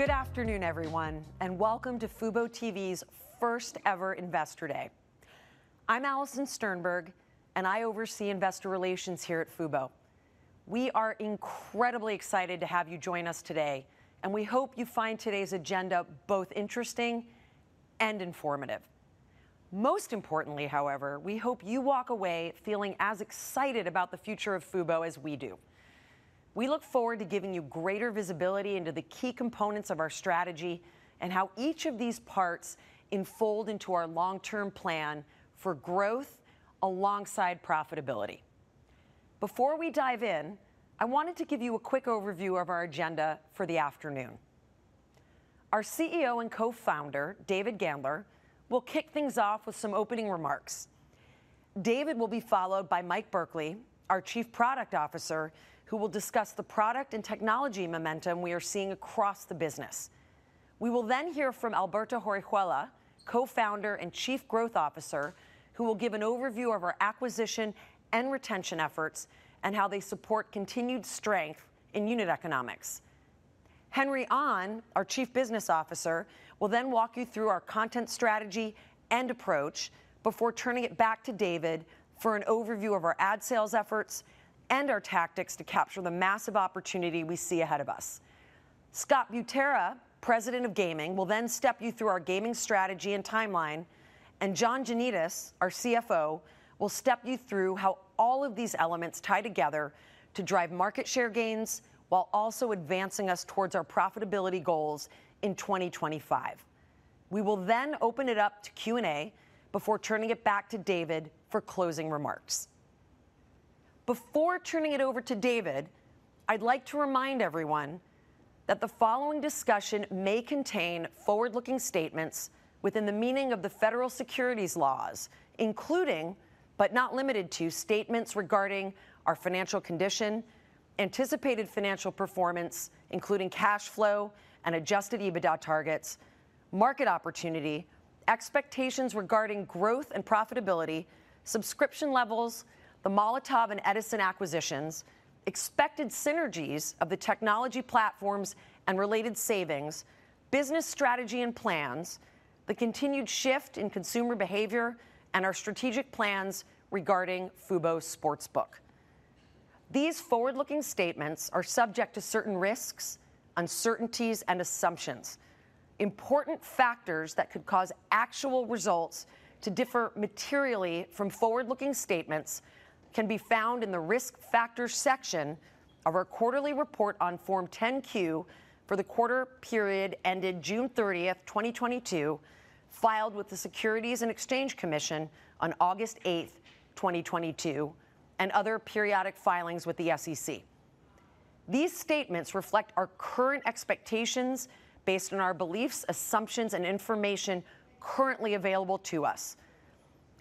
Good afternoon, everyone, and welcome to FuboTV's first ever Investor Day. I'm Alison Sternberg, and I oversee investor relations here at Fubo. We are incredibly excited to have you join us today, and we hope you find today's agenda both interesting and informative. Most importantly, however, we hope you walk away feeling as excited about the future of Fubo as we do. We look forward to giving you greater visibility into the key components of our strategy and how each of these parts unfold into our long-term plan for growth alongside profitability. Before we dive in, I wanted to give you a quick overview of our agenda for the afternoon. Our CEO and co-founder, David Gandler, will kick things off with some opening remarks. David will be followed by Mike Berkley, our Chief Product Officer, who will discuss the product and technology momentum we are seeing across the business. We will then hear from Alberto Horihuela, Co-founder and Chief Growth Officer, who will give an overview of our acquisition and retention efforts and how they support continued strength in unit economics. Henry Ahn, our Chief Business Officer, will then walk you through our content strategy and approach before turning it back to David for an overview of our ad sales efforts and our tactics to capture the massive opportunity we see ahead of us. Scott Butera, President of Gaming, will then step you through our gaming strategy and timeline, and John Janedis, our CFO, will step you through how all of these elements tie together to drive market share gains while also advancing us towards our profitability goals in 2025. We will then open it up to Q&A before turning it back to David for closing remarks. Before turning it over to David, I'd like to remind everyone that the following discussion may contain forward-looking statements within the meaning of the federal securities laws, including, but not limited to, statements regarding our financial condition, anticipated financial performance, including cash flow and adjusted EBITDA targets, market opportunity, expectations regarding growth and profitability, subscription levels, the Molotov and Edisn.ai acquisitions, expected synergies of the technology platforms and related savings, business strategy and plans, the continued shift in consumer behavior, and our strategic plans regarding Fubo Sportsbook. These forward-looking statements are subject to certain risks, uncertainties and assumptions. Important factors that could cause actual results to differ materially from forward-looking statements can be found in the Risk Factors section of our quarterly report on Form 10-Q for the quarter period ended June 30, 2022, filed with the Securities and Exchange Commission on August 8, 2022, and other periodic filings with the SEC. These statements reflect our current expectations based on our beliefs, assumptions, and information currently available to us.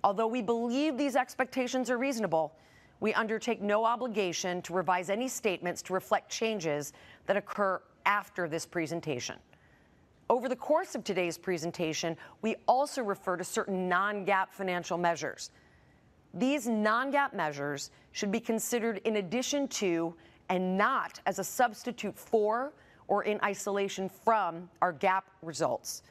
Although we believe these expectations are reasonable, we undertake no obligation to revise any statements to reflect changes that occur after this presentation. Over the course of today's presentation, we also refer to certain non-GAAP financial measures. These non-GAAP measures should be considered in addition to, and not as a substitute for or in isolation from, our GAAP results.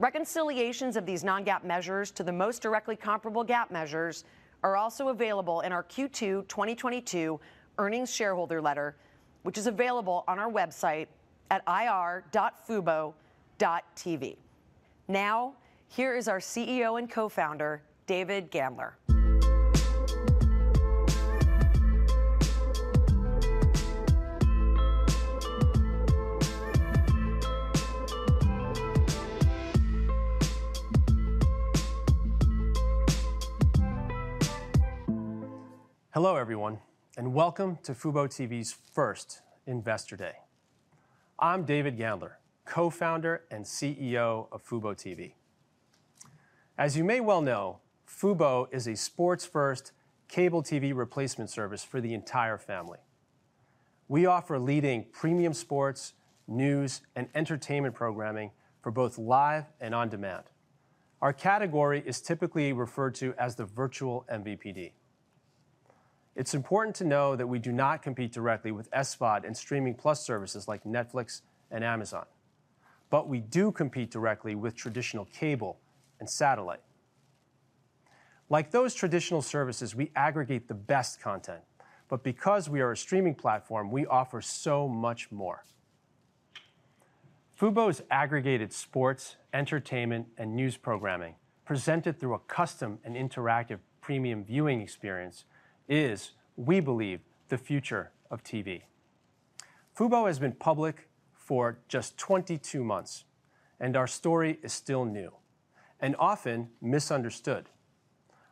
Reconciliations of these non-GAAP measures to the most directly comparable GAAP measures are also available in our Q2 2022 Earnings Shareholder Letter, which is available on our website at ir.fubo.tv. Now, here is our CEO and Co-founder, David Gandler. Hello, everyone, and welcome to FuboTV's first Investor Day. I'm David Gandler, Co-founder and CEO of FuboTV. As you may well know, Fubo is a sports-first cable TV replacement service for the entire family. We offer leading premium sports, news, and entertainment programming for both live and on-demand. Our category is typically referred to as the virtual MVPD. It's important to know that we do not compete directly with SVOD and streaming plus services like Netflix and Amazon, but we do compete directly with traditional cable and satellite. Like those traditional services, we aggregate the best content. Because we are a streaming platform, we offer so much more. Fubo's aggregated sports, entertainment, and news programming presented through a custom and interactive premium viewing experience is, we believe, the future of TV. Fubo has been public for just 22 months, and our story is still new and often misunderstood.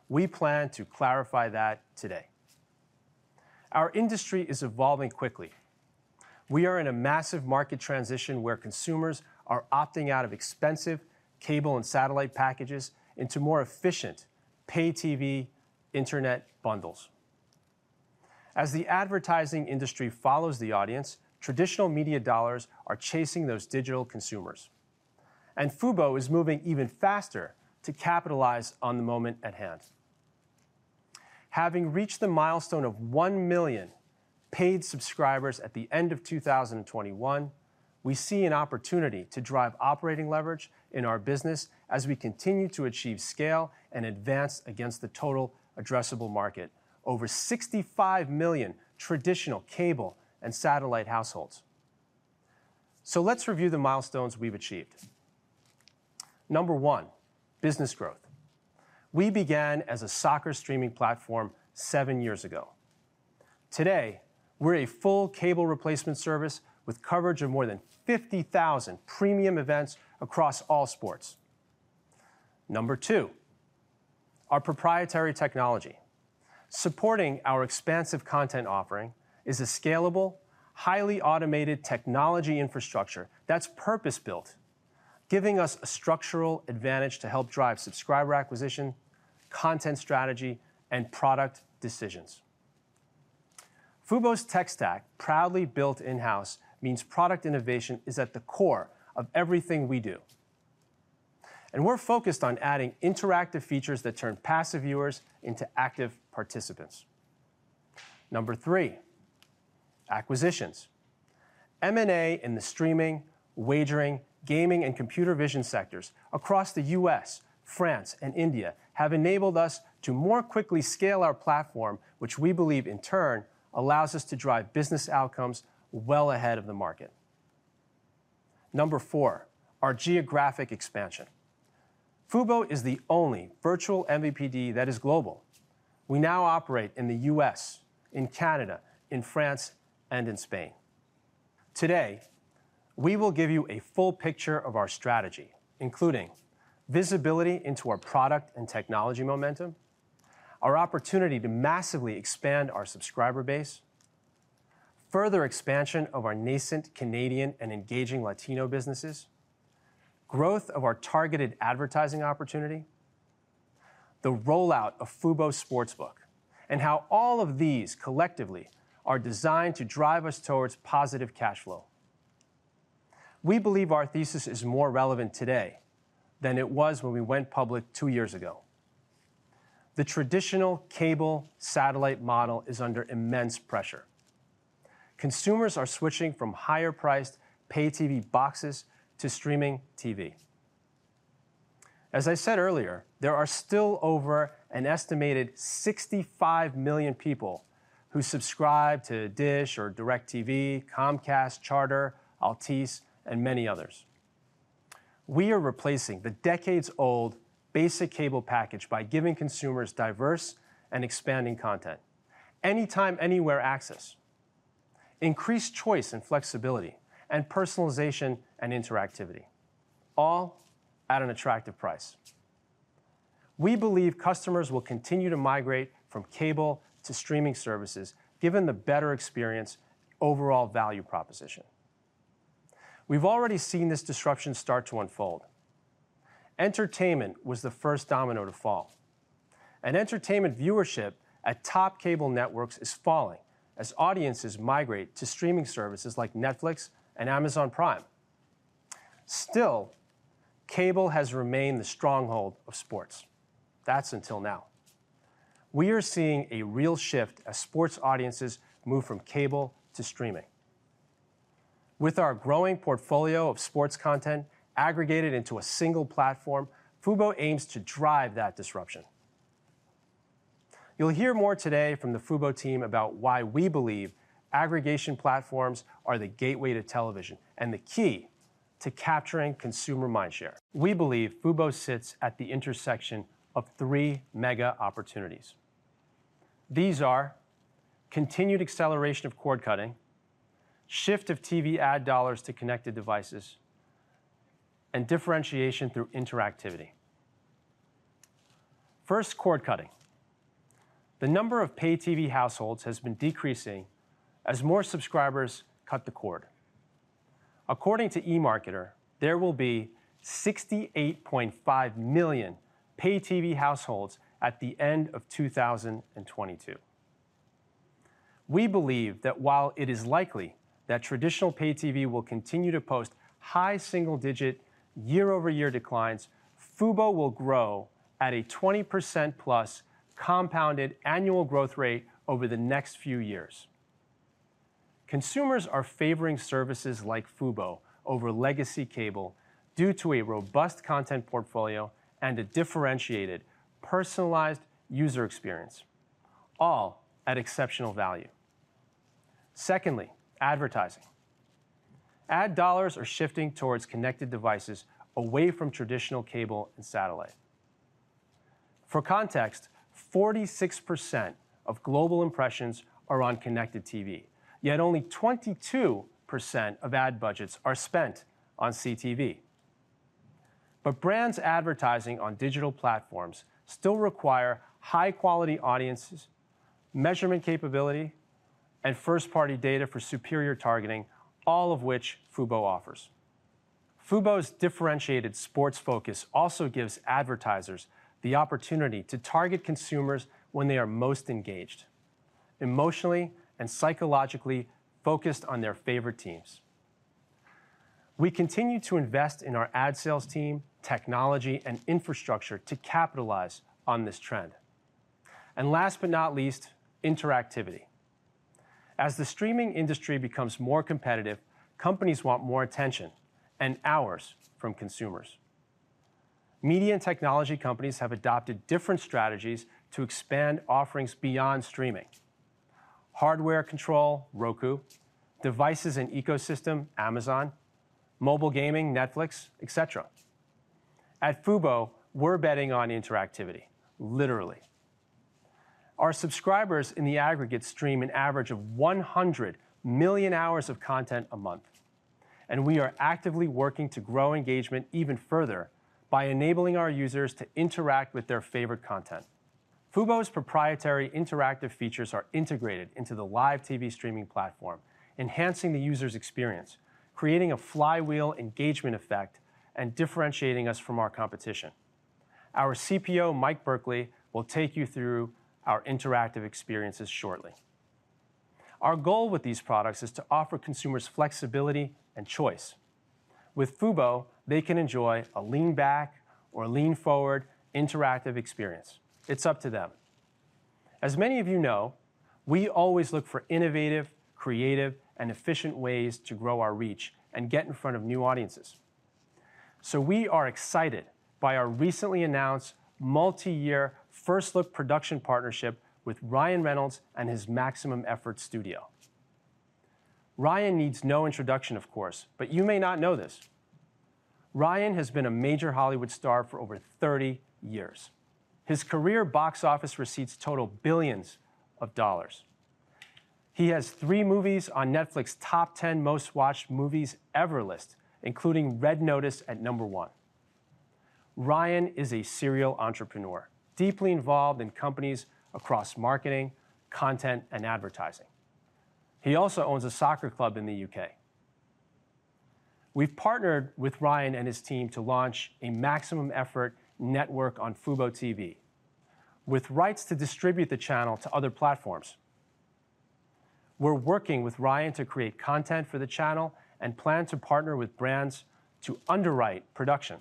We plan to clarify that today. Our industry is evolving quickly. We are in a massive market transition where consumers are opting out of expensive cable and satellite packages into more efficient pay TV internet bundles. As the advertising industry follows the audience, traditional media dollars are chasing those digital consumers, and FuboTV is moving even faster to capitalize on the moment at hand. Having reached the milestone of 1 million paid subscribers at the end of 2021, we see an opportunity to drive operating leverage in our business as we continue to achieve scale and advance against the total addressable market. Over 65 million traditional cable and satellite households. Let's review the milestones we've achieved. Number one, business growth. We began as a soccer streaming platform seven years ago. Today, we're a full cable replacement service with coverage of more than 50,000 premium events across all sports. Number two, our proprietary technology. Supporting our expansive content offering is a scalable, highly automated technology infrastructure that's purpose-built, giving us a structural advantage to help drive subscriber acquisition, content strategy, and product decisions. Fubo's tech stack, proudly built in-house, means product innovation is at the core of everything we do. We're focused on adding interactive features that turn passive viewers into active participants. Number three, acquisitions. M&A in the streaming, wagering, gaming, and computer vision sectors across the U.S., France, and India have enabled us to more quickly scale our platform, which we believe in turn allows us to drive business outcomes well ahead of the market. Number four, our geographic expansion. Fubo is the only virtual MVPD that is global. We now operate in the U.S., in Canada, in France, and in Spain. Today, we will give you a full picture of our strategy, including visibility into our product and technology momentum, our opportunity to massively expand our subscriber base, further expansion of our nascent Canadian and engaging Latino businesses, growth of our targeted advertising opportunity, the rollout of Fubo Sportsbook, and how all of these collectively are designed to drive us towards positive cash flow. We believe our thesis is more relevant today than it was when we went public two years ago. The traditional cable satellite model is under immense pressure. Consumers are switching from higher priced pay TV boxes to streaming TV. As I said earlier, there are still over an estimated 65 million people who subscribe to Dish or DirecTV, Comcast, Charter, Altice, and many others. We are replacing the decades-old basic cable package by giving consumers diverse and expanding content, anytime, anywhere access, increased choice and flexibility, and personalization and interactivity, all at an attractive price. We believe customers will continue to migrate from cable to streaming services given the better experience overall value proposition. We've already seen this disruption start to unfold. Entertainment was the first domino to fall, and entertainment viewership at top cable networks is falling as audiences migrate to streaming services like Netflix and Amazon Prime. Still, cable has remained the stronghold of sports. That's until now. We are seeing a real shift as sports audiences move from cable to streaming. With our growing portfolio of sports content aggregated into a single platform, Fubo aims to drive that disruption. You'll hear more today from the FuboTV team about why we believe aggregation platforms are the gateway to television and the key to capturing consumer mindshare. We believe FuboTV sits at the intersection of three mega opportunities. These are continued acceleration of cord cutting, shift of TV ad dollars to connected devices, and differentiation through interactivity. First, cord cutting. The number of pay TV households has been decreasing as more subscribers cut the cord. According to eMarketer, there will be 68.5 million pay TV households at the end of 2022. We believe that while it is likely that traditional pay TV will continue to post high single-digit year-over-year declines, FuboTV will grow at a 20%+ compounded annual growth rate over the next few years. Consumers are favoring services like Fubo over legacy cable due to a robust content portfolio and a differentiated, personalized user experience, all at exceptional value. Secondly, advertising. Ad dollars are shifting towards connected devices away from traditional cable and satellite. For context, 46% of global impressions are on connected TV, yet only 22% of ad budgets are spent on CTV. But brands advertising on digital platforms still require high quality audiences, measurement capability, and first-party data for superior targeting, all of which Fubo offers. Fubo's differentiated sports focus also gives advertisers the opportunity to target consumers when they are most engaged, emotionally and psychologically focused on their favorite teams. We continue to invest in our ad sales team, technology, and infrastructure to capitalize on this trend. Last but not least, interactivity. As the streaming industry becomes more competitive, companies want more attention and hours from consumers. Media and technology companies have adopted different strategies to expand offerings beyond streaming. Hardware control, Roku. Devices and ecosystem, Amazon. Mobile gaming, Netflix, et cetera. At FuboTV, we're betting on interactivity, literally. Our subscribers in the aggregate stream an average of 100 million hours of content a month, and we are actively working to grow engagement even further by enabling our users to interact with their favorite content. FuboTV's proprietary interactive features are integrated into the live TV streaming platform, enhancing the user's experience, creating a flywheel engagement effect, and differentiating us from our competition. Our CPO, Mike Berkley, will take you through our interactive experiences shortly. Our goal with these products is to offer consumers flexibility and choice. With FuboTV, they can enjoy a lean back or lean forward interactive experience. It's up to them. As many of you know, we always look for innovative, creative, and efficient ways to grow our reach and get in front of new audiences. We are excited by our recently announced multiyear first look production partnership with Ryan Reynolds and his Maximum Effort studio. Ryan needs no introduction, of course, but you may not know this. Ryan has been a major Hollywood star for over 30 years. His career box office receipts total billions of dollars. He has three movies on Netflix's top 10 most watched movies ever list, including Red Notice at number one. Ryan is a serial entrepreneur, deeply involved in companies across marketing, content, and advertising. He also owns a soccer club in the U.K. We've partnered with Ryan and his team to launch a Maximum Effort network on FuboTV, with rights to distribute the channel to other platforms. We're working with Ryan to create content for the channel and plan to partner with brands to underwrite production.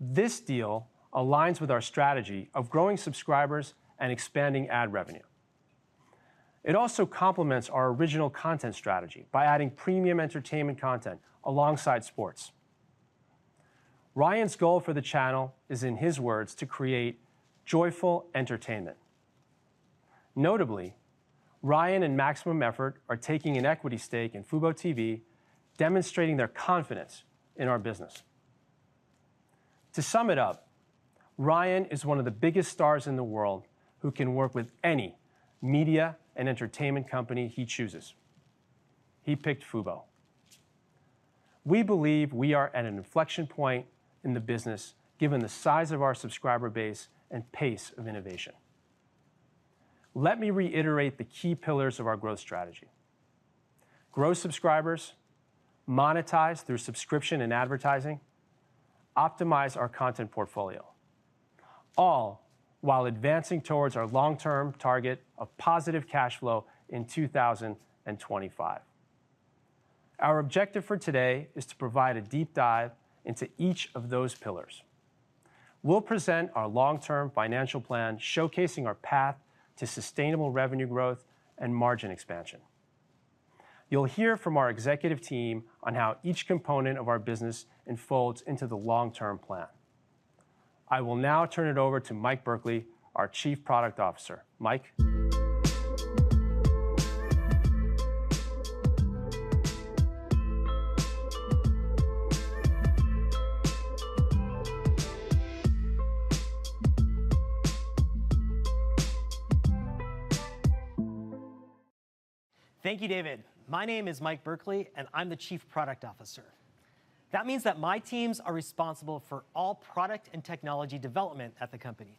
This deal aligns with our strategy of growing subscribers and expanding ad revenue. It also complements our original content strategy by adding premium entertainment content alongside sports. Ryan's goal for the channel is, in his words, to create joyful entertainment. Notably, Ryan and Maximum Effort are taking an equity stake in FuboTV, demonstrating their confidence in our business. To sum it up, Ryan is one of the biggest stars in the world who can work with any media and entertainment company he chooses. He picked Fubo. We believe we are at an inflection point in the business, given the size of our subscriber base and pace of innovation. Let me reiterate the key pillars of our growth strategy. Grow subscribers, monetize through subscription and advertising, optimize our content portfolio, all while advancing towards our long-term target of positive cash flow in 2025. Our objective for today is to provide a deep dive into each of those pillars. We'll present our long-term financial plan showcasing our path to sustainable revenue growth and margin expansion. You'll hear from our executive team on how each component of our business unfolds into the long-term plan. I will now turn it over to Mike Berkley, our Chief Product Officer. Mike. Thank you, David. My name is Mike Berkley, and I'm the Chief Product Officer. That means that my teams are responsible for all product and technology development at the company.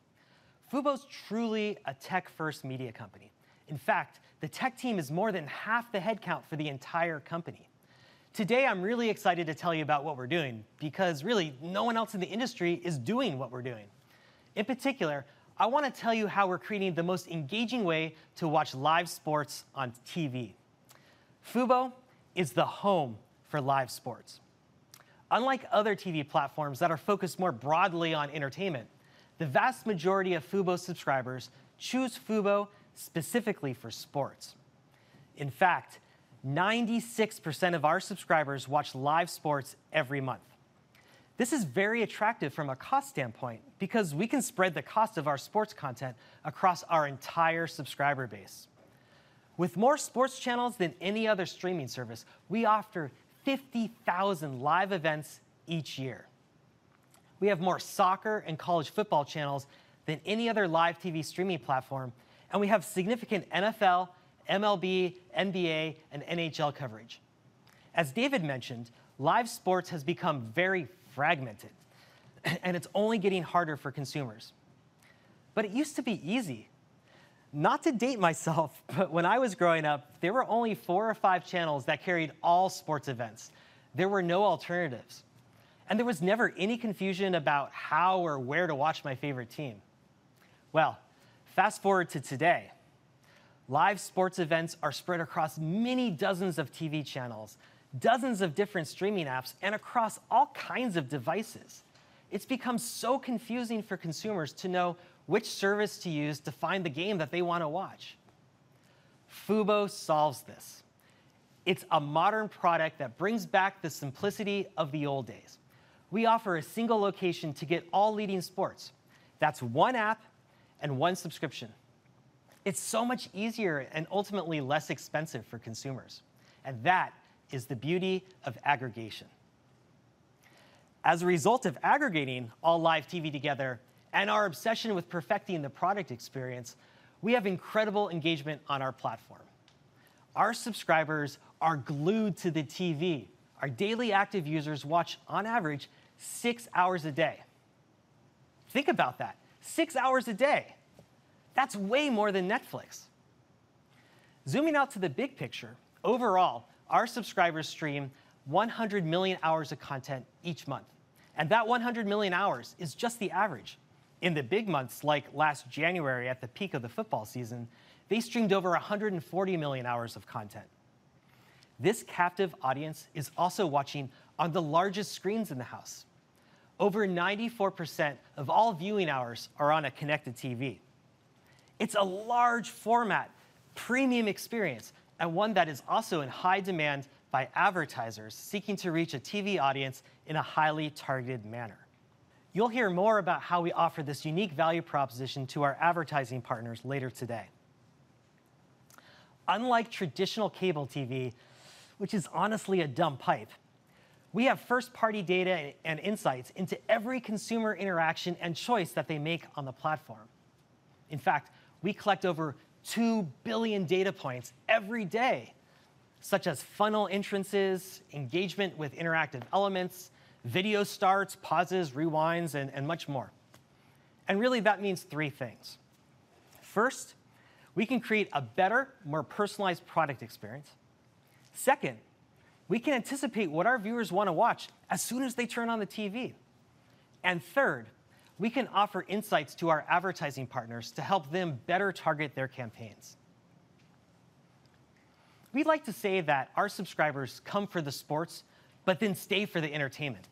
Fubo's truly a tech-first media company. In fact, the tech team is more than half the headcount for the entire company. Today, I'm really excited to tell you about what we're doing because really no one else in the industry is doing what we're doing. In particular, I wanna tell you how we're creating the most engaging way to watch live sports on TV. Fubo is the home for live sports. Unlike other TV platforms that are focused more broadly on entertainment, the vast majority of Fubo subscribers choose Fubo specifically for sports. In fact, 96% of our subscribers watch live sports every month. This is very attractive from a cost standpoint because we can spread the cost of our sports content across our entire subscriber base. With more sports channels than any other streaming service, we offer 50,000 live events each year. We have more soccer and college football channels than any other live TV streaming platform, and we have significant NFL, MLB, NBA, and NHL coverage. As David mentioned, live sports has become very fragmented, and it's only getting harder for consumers. It used to be easy. Not to date myself, but when I was growing up, there were only four or five channels that carried all sports events. There were no alternatives, and there was never any confusion about how or where to watch my favorite team. Well, fast-forward to today. Live sports events are spread across many dozens of TV channels, dozens of different streaming apps, and across all kinds of devices. It's become so confusing for consumers to know which service to use to find the game that they wanna watch. FuboTV solves this. It's a modern product that brings back the simplicity of the old days. We offer a single location to get all leading sports. That's one app and one subscription. It's so much easier and ultimately less expensive for consumers, and that is the beauty of aggregation. As a result of aggregating all live TV together and our obsession with perfecting the product experience, we have incredible engagement on our platform. Our subscribers are glued to the TV. Our daily active users watch on average six hours a day. Think about that. Six hours a day. That's way more than Netflix. Zooming out to the big picture, overall, our subscribers stream 100 million hours of content each month, and that 100 million hours is just the average. In the big months, like last January at the peak of the football season, they streamed over 140 million hours of content. This captive audience is also watching on the largest screens in the house. Over 94% of all viewing hours are on a connected TV. It's a large format, premium experience, and one that is also in high demand by advertisers seeking to reach a TV audience in a highly targeted manner. You'll hear more about how we offer this unique value proposition to our advertising partners later today. Unlike traditional cable TV, which is honestly a dumb pipe, we have first-party data and insights into every consumer interaction and choice that they make on the platform. In fact, we collect over 2 billion data points every day, such as funnel entrances, engagement with interactive elements, video starts, pauses, rewinds, and much more. Really that means three things. First, we can create a better, more personalized product experience. Second, we can anticipate what our viewers wanna watch as soon as they turn on the TV. Third, we can offer insights to our advertising partners to help them better target their campaigns. We like to say that our subscribers come for the sports, but then stay for the entertainment.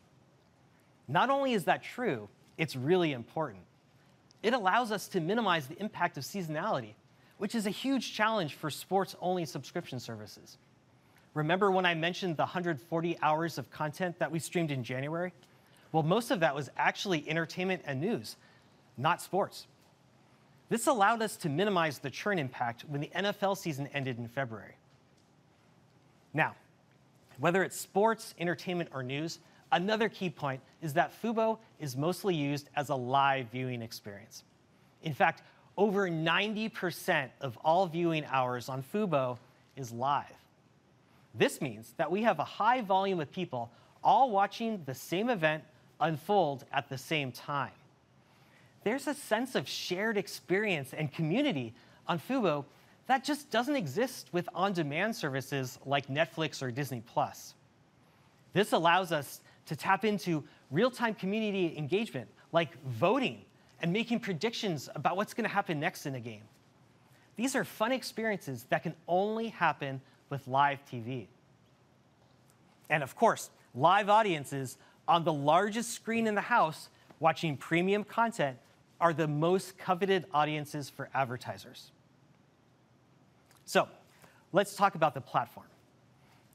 Not only is that true, it's really important. It allows us to minimize the impact of seasonality, which is a huge challenge for sports-only subscription services. Remember when I mentioned the 140 hours of content that we streamed in January? Well, most of that was actually entertainment and news, not sports. This allowed us to minimize the churn impact when the NFL season ended in February. Now, whether it's sports, entertainment, or news, another key point is that Fubo is mostly used as a live viewing experience. In fact, over 90% of all viewing hours on Fubo is live. This means that we have a high volume of people all watching the same event unfold at the same time. There's a sense of shared experience and community on Fubo that just doesn't exist with on-demand services like Netflix or Disney+. This allows us to tap into real-time community engagement, like voting and making predictions about what's gonna happen next in a game. These are fun experiences that can only happen with live TV. Of course, live audiences on the largest screen in the house watching premium content are the most coveted audiences for advertisers. Let's talk about the platform.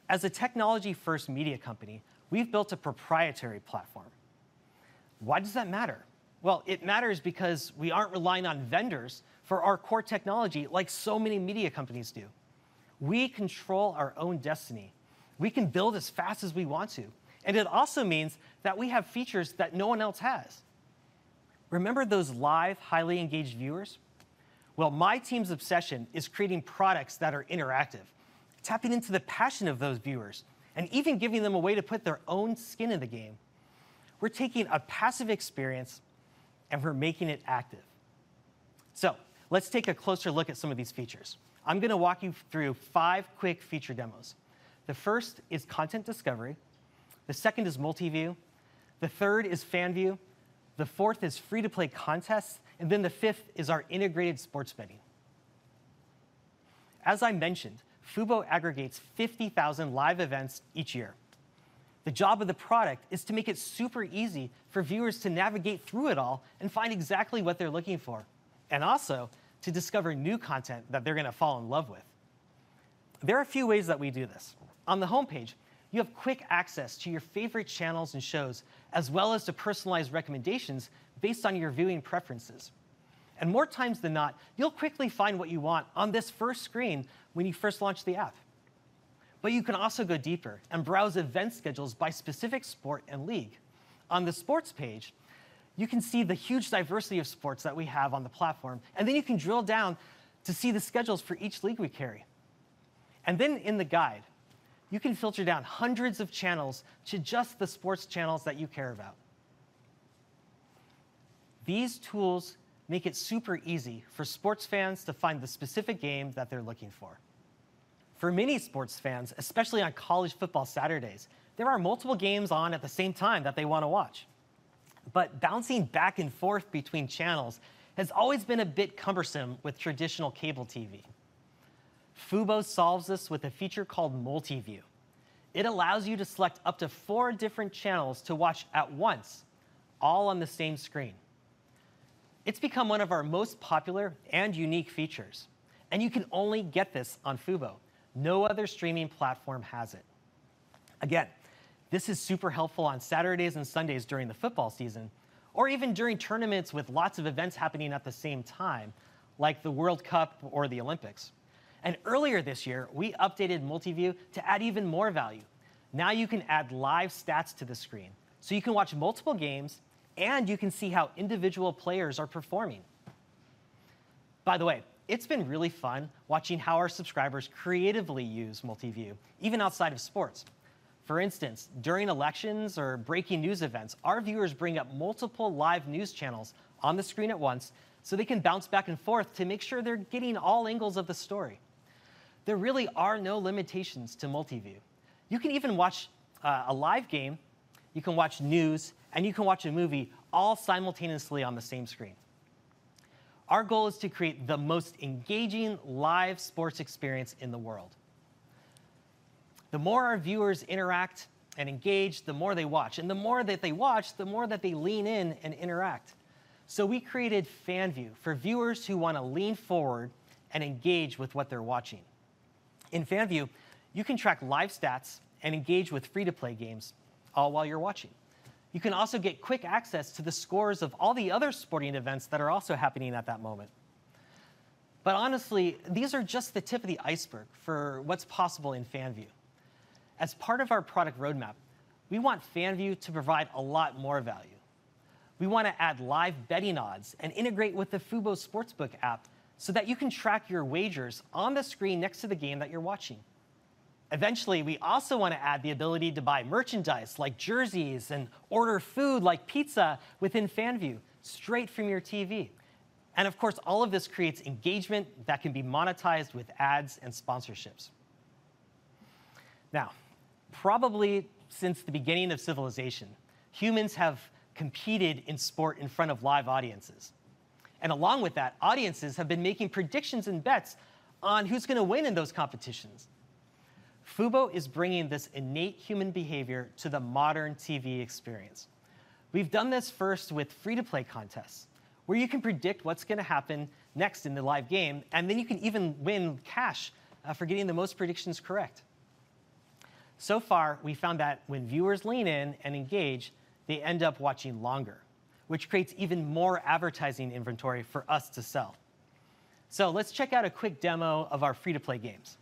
As a technology-first media company, we've built a proprietary platform. Why does that matter? Well, it matters because we aren't relying on vendors for our core technology, like so many media companies do. We control our own destiny. We can build as fast as we want to, and it also means that we have features that no one else has. Remember those live, highly engaged viewers? Well, my team's obsession is creating products that are interactive, tapping into the passion of those viewers, and even giving them a way to put their own skin in the game. We're taking a passive experience, and we're making it active. Let's take a closer look at some of these features. I'm gonna walk you through five quick feature demos. The first is content discovery, the second is Multiview, the third is FanView, the fourth is free-to-play contests, and then the fifth is our integrated sports betting. As I mentioned, Fubo aggregates 50,000 live events each year. The job of the product is to make it super easy for viewers to navigate through it all and find exactly what they're looking for, and also to discover new content that they're gonna fall in love with. There are a few ways that we do this. On the homepage, you have quick access to your favorite channels and shows, as well as to personalized recommendations based on your viewing preferences. More times than not, you'll quickly find what you want on this first screen when you first launch the app. You can also go deeper and browse event schedules by specific sport and league. On the sports page, you can see the huge diversity of sports that we have on the platform, and then you can drill down to see the schedules for each league we carry. Then in the guide, you can filter down hundreds of channels to just the sports channels that you care about. These tools make it super easy for sports fans to find the specific game that they're looking for. For many sports fans, especially on college football Saturdays, there are multiple games on at the same time that they wanna watch. Bouncing back and forth between channels has always been a bit cumbersome with traditional cable TV. Fubo solves this with a feature called Multiview. It allows you to select up to four different channels to watch at once, all on the same screen. It's become one of our most popular and unique features, and you can only get this on Fubo. No other streaming platform has it. Again, this is super helpful on Saturdays and Sundays during the football season, or even during tournaments with lots of events happening at the same time, like the World Cup or the Olympics. Earlier this year, we updated Multiview to add even more value. Now you can add live stats to the screen, so you can watch multiple games and you can see how individual players are performing. By the way, it's been really fun watching how our subscribers creatively use Multiview, even outside of sports. For instance, during elections or breaking news events, our viewers bring up multiple live news channels on the screen at once, so they can bounce back and forth to make sure they're getting all angles of the story. There really are no limitations to Multiview. You can even watch a live game, you can watch news, and you can watch a movie all simultaneously on the same screen. Our goal is to create the most engaging live sports experience in the world. The more our viewers interact and engage, the more they watch. The more that they watch, the more that they lean in and interact. We created FanView for viewers who wanna lean forward and engage with what they're watching. In FanView, you can track live stats and engage with free-to-play games all while you're watching. You can also get quick access to the scores of all the other sporting events that are also happening at that moment. Honestly, these are just the tip of the iceberg for what's possible in FanView. As part of our product roadmap, we want FanView to provide a lot more value. We wanna add live betting odds and integrate with the Fubo Sportsbook app so that you can track your wagers on the screen next to the game that you're watching. Eventually, we also wanna add the ability to buy merchandise like jerseys and order food like pizza within FanView straight from your TV. Of course, all of this creates engagement that can be monetized with ads and sponsorships. Now, probably since the beginning of civilization, humans have competed in sport in front of live audiences, and along with that, audiences have been making predictions and bets on who's gonna win in those competitions. Fubo is bringing this innate human behavior to the modern TV experience. We've done this first with free-to-play contests, where you can predict what's gonna happen next in the live game, and then you can even win cash for getting the most predictions correct. So far, we found that when viewers lean in and engage, they end up watching longer, which creates even more advertising inventory for us to sell. Let's check out a quick demo of our free-to-play games.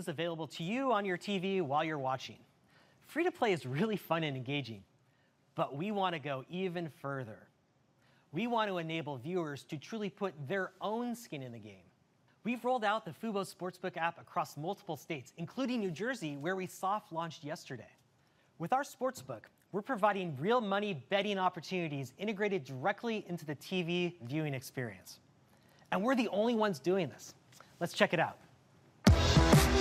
All of this is available to you on your TV while you're watching. Free-to-play is really fun and engaging, but we wanna go even further. We want to enable viewers to truly put their own skin in the game. We've rolled out the Fubo Sportsbook app across multiple states, including New Jersey, where we soft launched yesterday. With our sportsbook, we're providing real money betting opportunities integrated directly into the TV viewing experience, and we're the only ones doing this. Let's check it out.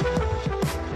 This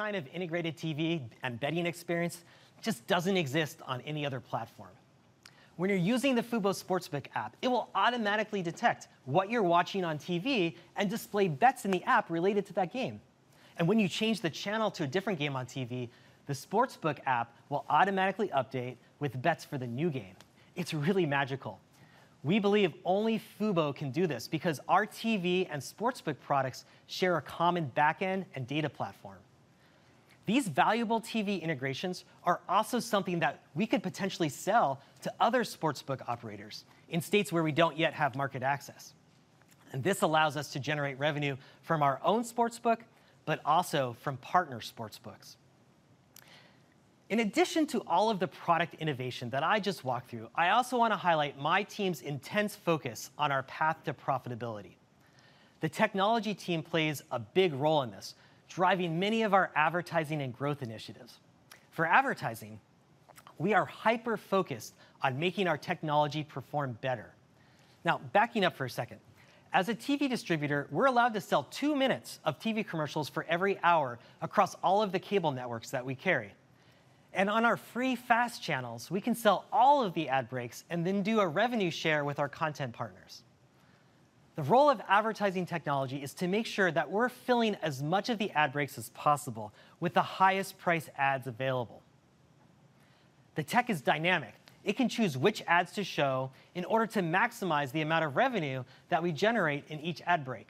kind of integrated TV and betting experience just doesn't exist on any other platform. When you're using the Fubo Sportsbook app, it will automatically detect what you're watching on TV and display bets in the app related to that game. When you change the channel to a different game on TV, the sportsbook app will automatically update with bets for the new game. It's really magical. We believe only Fubo can do this because our TV and sportsbook products share a common backend and data platform. These valuable TV integrations are also something that we could potentially sell to other sportsbook operators in states where we don't yet have market access. This allows us to generate revenue from our own sportsbook, but also from partner sportsbooks. In addition to all of the product innovation that I just walked through, I also wanna highlight my team's intense focus on our path to profitability. The technology team plays a big role in this, driving many of our advertising and growth initiatives. For advertising, we are hyper-focused on making our technology perform better. Now, backing up for a second, as a TV distributor, we're allowed to sell two minutes of TV commercials for every hour across all of the cable networks that we carry. On our free FAST channels, we can sell all of the ad breaks and then do a revenue share with our content partners. The role of advertising technology is to make sure that we're filling as much of the ad breaks as possible with the highest priced ads available. The tech is dynamic. It can choose which ads to show in order to maximize the amount of revenue that we generate in each ad break.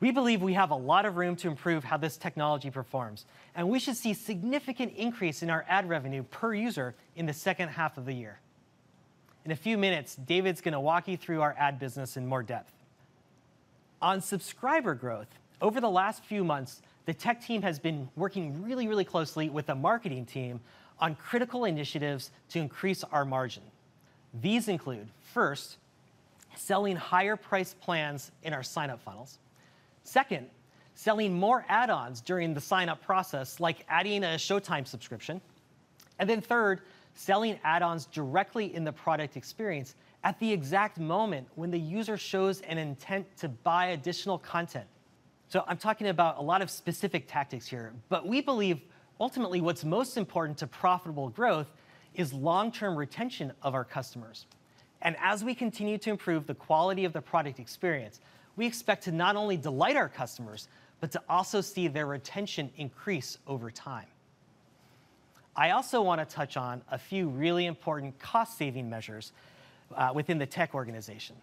We believe we have a lot of room to improve how this technology performs, and we should see significant increase in our ad revenue per user in the second half of the year. In a few minutes, David's gonna walk you through our ad business in more depth. On subscriber growth, over the last few months, the tech team has been working really closely with the marketing team on critical initiatives to increase our margin. These include, first, selling higher priced plans in our signup funnels. Second, selling more add-ons during the signup process, like adding a Showtime subscription. Then third, selling add-ons directly in the product experience at the exact moment when the user shows an intent to buy additional content. I'm talking about a lot of specific tactics here, but we believe ultimately what's most important to profitable growth is long-term retention of our customers. As we continue to improve the quality of the product experience, we expect to not only delight our customers, but to also see their retention increase over time. I also wanna touch on a few really important cost-saving measures within the tech organization.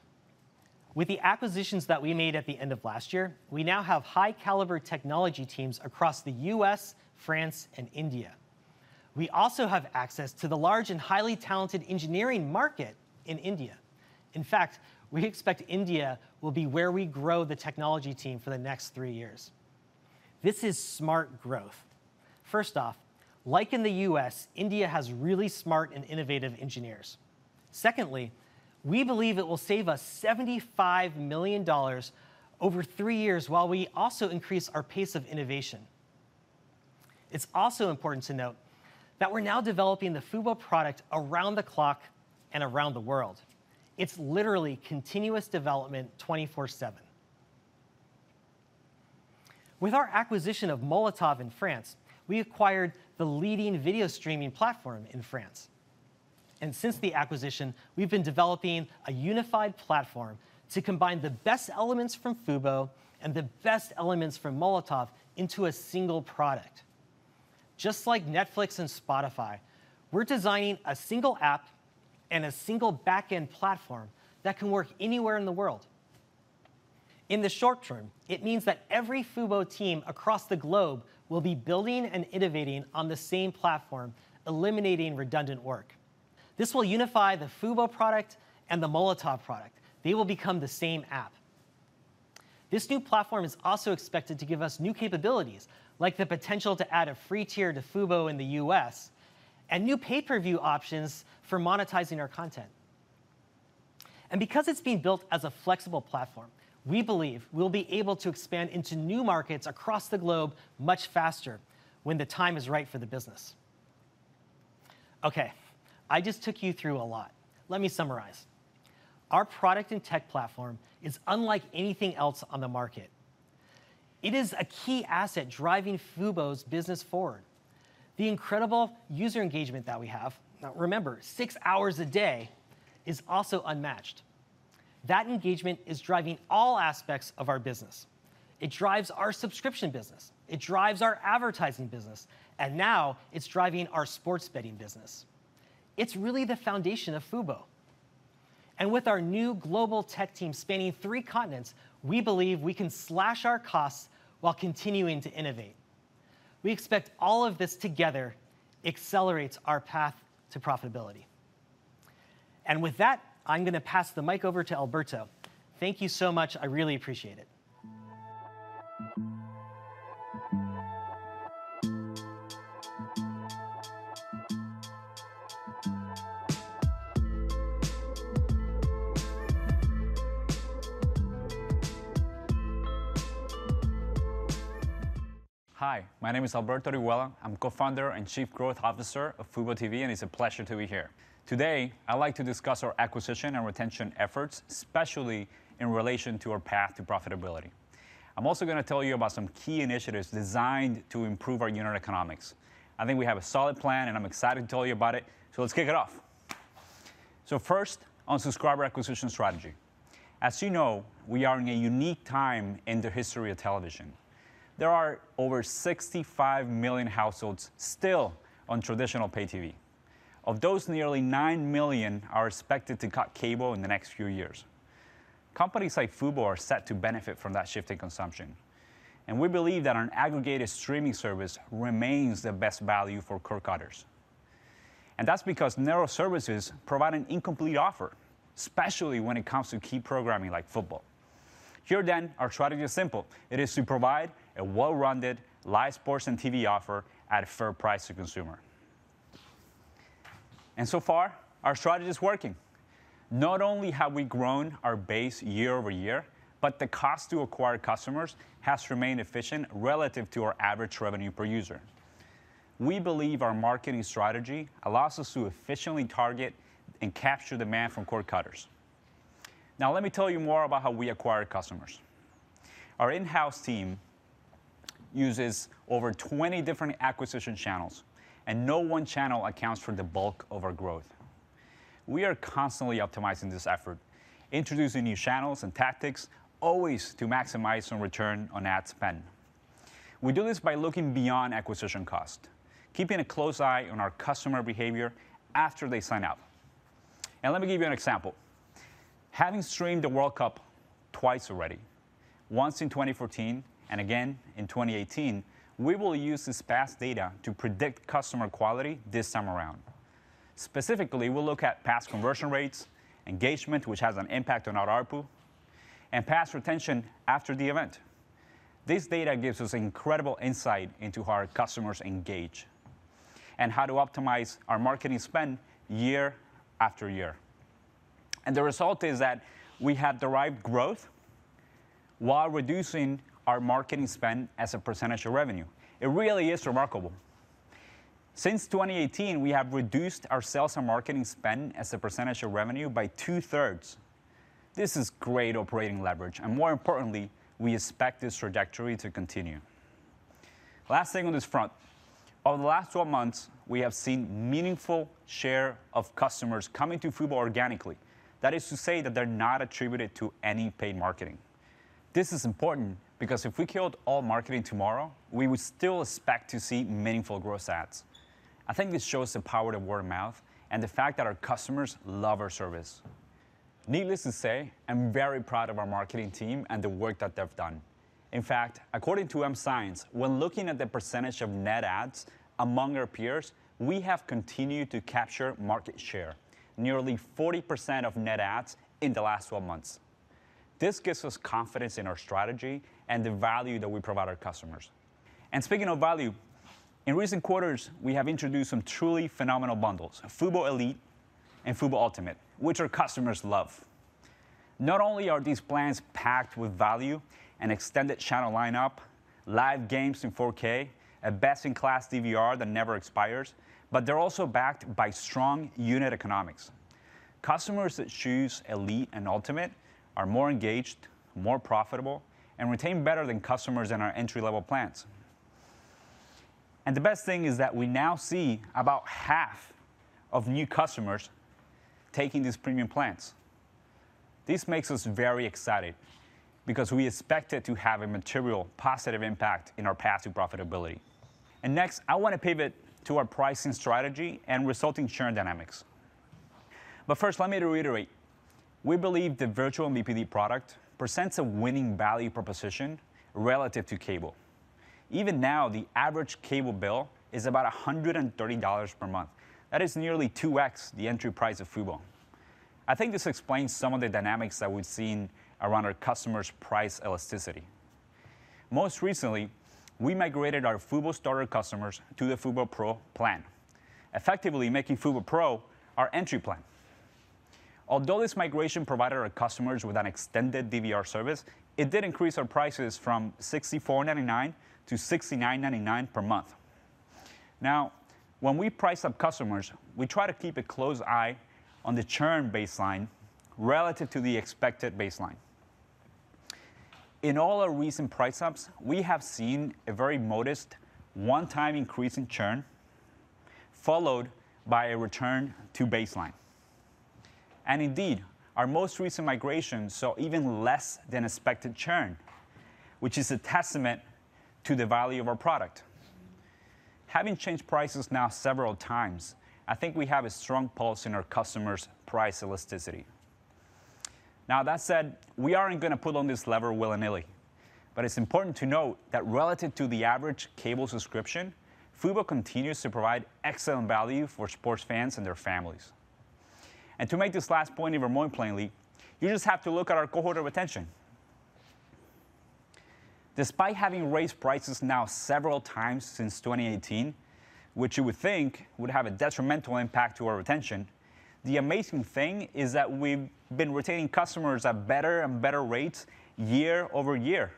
With the acquisitions that we made at the end of last year, we now have high caliber technology teams across the U.S., France, and India. We also have access to the large and highly talented engineering market in India. In fact, we expect India will be where we grow the technology team for the next three years. This is smart growth. First off, like in the U.S., India has really smart and innovative engineers. Secondly, we believe it will save us $75 million over three years while we also increase our pace of innovation. It's also important to note that we're now developing the Fubo product around the clock and around the world. It's literally continuous development 24/7. With our acquisition of Molotov in France, we acquired the leading video streaming platform in France. Since the acquisition, we've been developing a unified platform to combine the best elements from Fubo and the best elements from Molotov into a single product. Just like Netflix and Spotify, we're designing a single app and a single backend platform that can work anywhere in the world. In the short term, it means that every Fubo team across the globe will be building and innovating on the same platform, eliminating redundant work. This will unify the Fubo product and the Molotov product. They will become the same app. This new platform is also expected to give us new capabilities, like the potential to add a free tier to Fubo in the U.S. and new pay-per-view options for monetizing our content. Because it's being built as a flexible platform, we believe we'll be able to expand into new markets across the globe much faster when the time is right for the business. Okay, I just took you through a lot. Let me summarize. Our product and tech platform is unlike anything else on the market. It is a key asset driving Fubo's business forward. The incredible user engagement that we have, now remember, six hours a day, is also unmatched. That engagement is driving all aspects of our business. It drives our subscription business, it drives our advertising business, and now it's driving our sports betting business. It's really the foundation of Fubo. With our new global tech team spanning three continents, we believe we can slash our costs while continuing to innovate. We expect all of this together accelerates our path to profitability. With that, I'm gonna pass the mic over to Alberto. Thank you so much. I really appreciate it. Hi, my name is Alberto Horihuela. I'm Co-founder and Chief Growth Officer of FuboTV, and it's a pleasure to be here. Today, I'd like to discuss our acquisition and retention efforts, especially in relation to our path to profitability. I'm also gonna tell you about some key initiatives designed to improve our unit economics. I think we have a solid plan, and I'm excited to tell you about it, so let's kick it off. First, on subscriber acquisition strategy. As you know, we are in a unique time in the history of television. There are over 65 million households still on traditional pay TV. Of those, nearly 9 million are expected to cut cable in the next few years. Companies like FuboTV are set to benefit from that shift in consumption, and we believe that our aggregated streaming service remains the best value for cord cutters. That's because narrow services provide an incomplete offer, especially when it comes to key programming like football. Here then, our strategy is simple. It is to provide a well-rounded live sports and TV offer at a fair price to consumers. So far, our strategy is working. Not only have we grown our base year-over-year, but the cost to acquire customers has remained efficient relative to our average revenue per user. We believe our marketing strategy allows us to efficiently target and capture demand from cord cutters. Now, let me tell you more about how we acquire customers. Our in-house team uses over 20 different acquisition channels, and no one channel accounts for the bulk of our growth. We are constantly optimizing this effort, introducing new channels and tactics always to maximize on return on ad spend. We do this by looking beyond acquisition cost, keeping a close eye on our customer behavior after they sign up. Let me give you an example. Having streamed the World Cup twice already, once in 2014 and again in 2018, we will use this past data to predict customer quality this time around. Specifically, we'll look at past conversion rates, engagement, which has an impact on our ARPU, and past retention after the event. This data gives us incredible insight into how our customers engage and how to optimize our marketing spend year after year. The result is that we have derived growth while reducing our marketing spend as a percentage of revenue. It really is remarkable. Since 2018, we have reduced our sales and marketing spend as a percentage of revenue by two-thirds. This is great operating leverage, and more importantly, we expect this trajectory to continue. Last thing on this front, over the last 12 months, we have seen meaningful share of customers coming to Fubo organically. That is to say that they're not attributed to any paid marketing. This is important because if we killed all marketing tomorrow, we would still expect to see meaningful gross adds. I think this shows the power of word-of-mouth and the fact that our customers love our service. Needless to say, I'm very proud of our marketing team and the work that they've done. In fact, according to M Science, when looking at the percentage of net adds among our peers, we have continued to capture market share, nearly 40% of net adds in the last 12 months. This gives us confidence in our strategy and the value that we provide our customers. Speaking of value, in recent quarters, we have introduced some truly phenomenal bundles, Fubo Elite and Fubo Ultimate, which our customers love. Not only are these plans packed with value and extended channel lineup, live games in 4K, a best-in-class DVR that never expires, but they're also backed by strong unit economics. Customers that choose Elite and Ultimate are more engaged, more profitable, and retain better than customers in our entry-level plans. The best thing is that we now see about half of new customers taking these premium plans. This makes us very excited because we expect it to have a material positive impact in our path to profitability. Next, I wanna pivot to our pricing strategy and resulting churn dynamics. First, let me reiterate, we believe the virtual MVPD product presents a winning value proposition relative to cable. Even now, the average cable bill is about $130 per month. That is nearly 2x the entry price of Fubo. I think this explains some of the dynamics that we've seen around our customers' price elasticity. Most recently, we migrated our Fubo Starter customers to the Fubo Pro plan, effectively making Fubo Pro our entry plan. Although this migration provided our customers with an extended DVR service, it did increase our prices from $64.99 to $69.99 per month. Now, when we price up customers, we try to keep a close eye on the churn baseline relative to the expected baseline. In all our recent price ups, we have seen a very modest one-time increase in churn followed by a return to baseline. Indeed, our most recent migration saw even less than expected churn, which is a testament to the value of our product. Having changed prices now several times, I think we have a strong pulse in our customers' price elasticity. Now, that said, we aren't gonna put on this lever willy-nilly, but it's important to note that relative to the average cable subscription, FuboTV continues to provide excellent value for sports fans and their families. To make this last point even more plainly, you just have to look at our cohort of retention. Despite having raised prices now several times since 2018, which you would think would have a detrimental impact to our retention, the amazing thing is that we've been retaining customers at better and better rates year-over-year.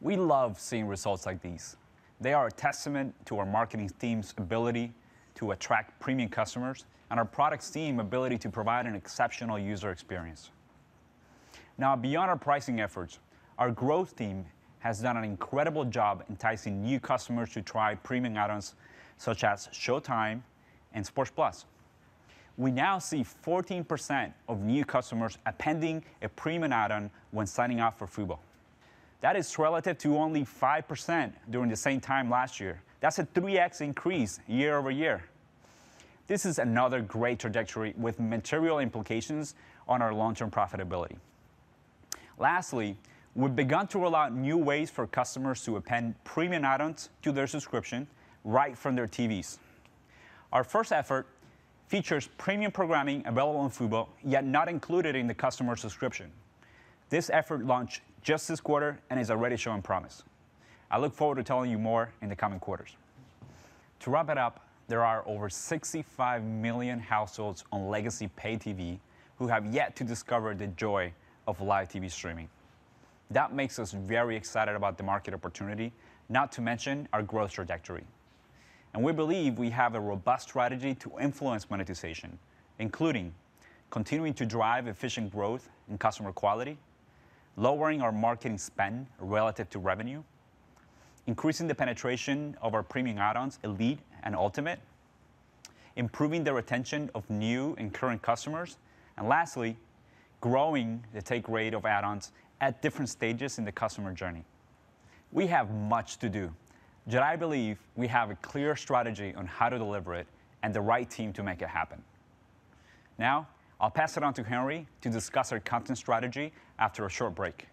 We love seeing results like these. They are a testament to our marketing team's ability to attract premium customers and our product team's ability to provide an exceptional user experience. Now, beyond our pricing efforts, our growth team has done an incredible job enticing new customers to try premium add-ons such as Showtime and Sports+. We now see 14% of new customers appending a premium add-on when signing up for Fubo. That is relative to only 5% during the same time last year. That's a 3x increase year-over-year. This is another great trajectory with material implications on our long-term profitability. Lastly, we've begun to allow new ways for customers to append premium add-ons to their subscription right from their TVs. Our first effort features premium programming available on FuboTV, yet not included in the customer subscription. This effort launched just this quarter and is already showing promise. I look forward to telling you more in the coming quarters. To wrap it up, there are over 65 million households on legacy pay TV who have yet to discover the joy of live TV streaming. That makes us very excited about the market opportunity, not to mention our growth trajectory. We believe we have a robust strategy to influence monetization, including continuing to drive efficient growth in customer quality, lowering our marketing spend relative to revenue, increasing the penetration of our premium add-ons, Elite and Ultimate, improving the retention of new and current customers, and lastly, growing the take rate of add-ons at different stages in the customer journey. We have much to do, yet I believe we have a clear strategy on how to deliver it and the right team to make it happen. Now, I'll pass it on to Henry to discuss our content strategy after a short break.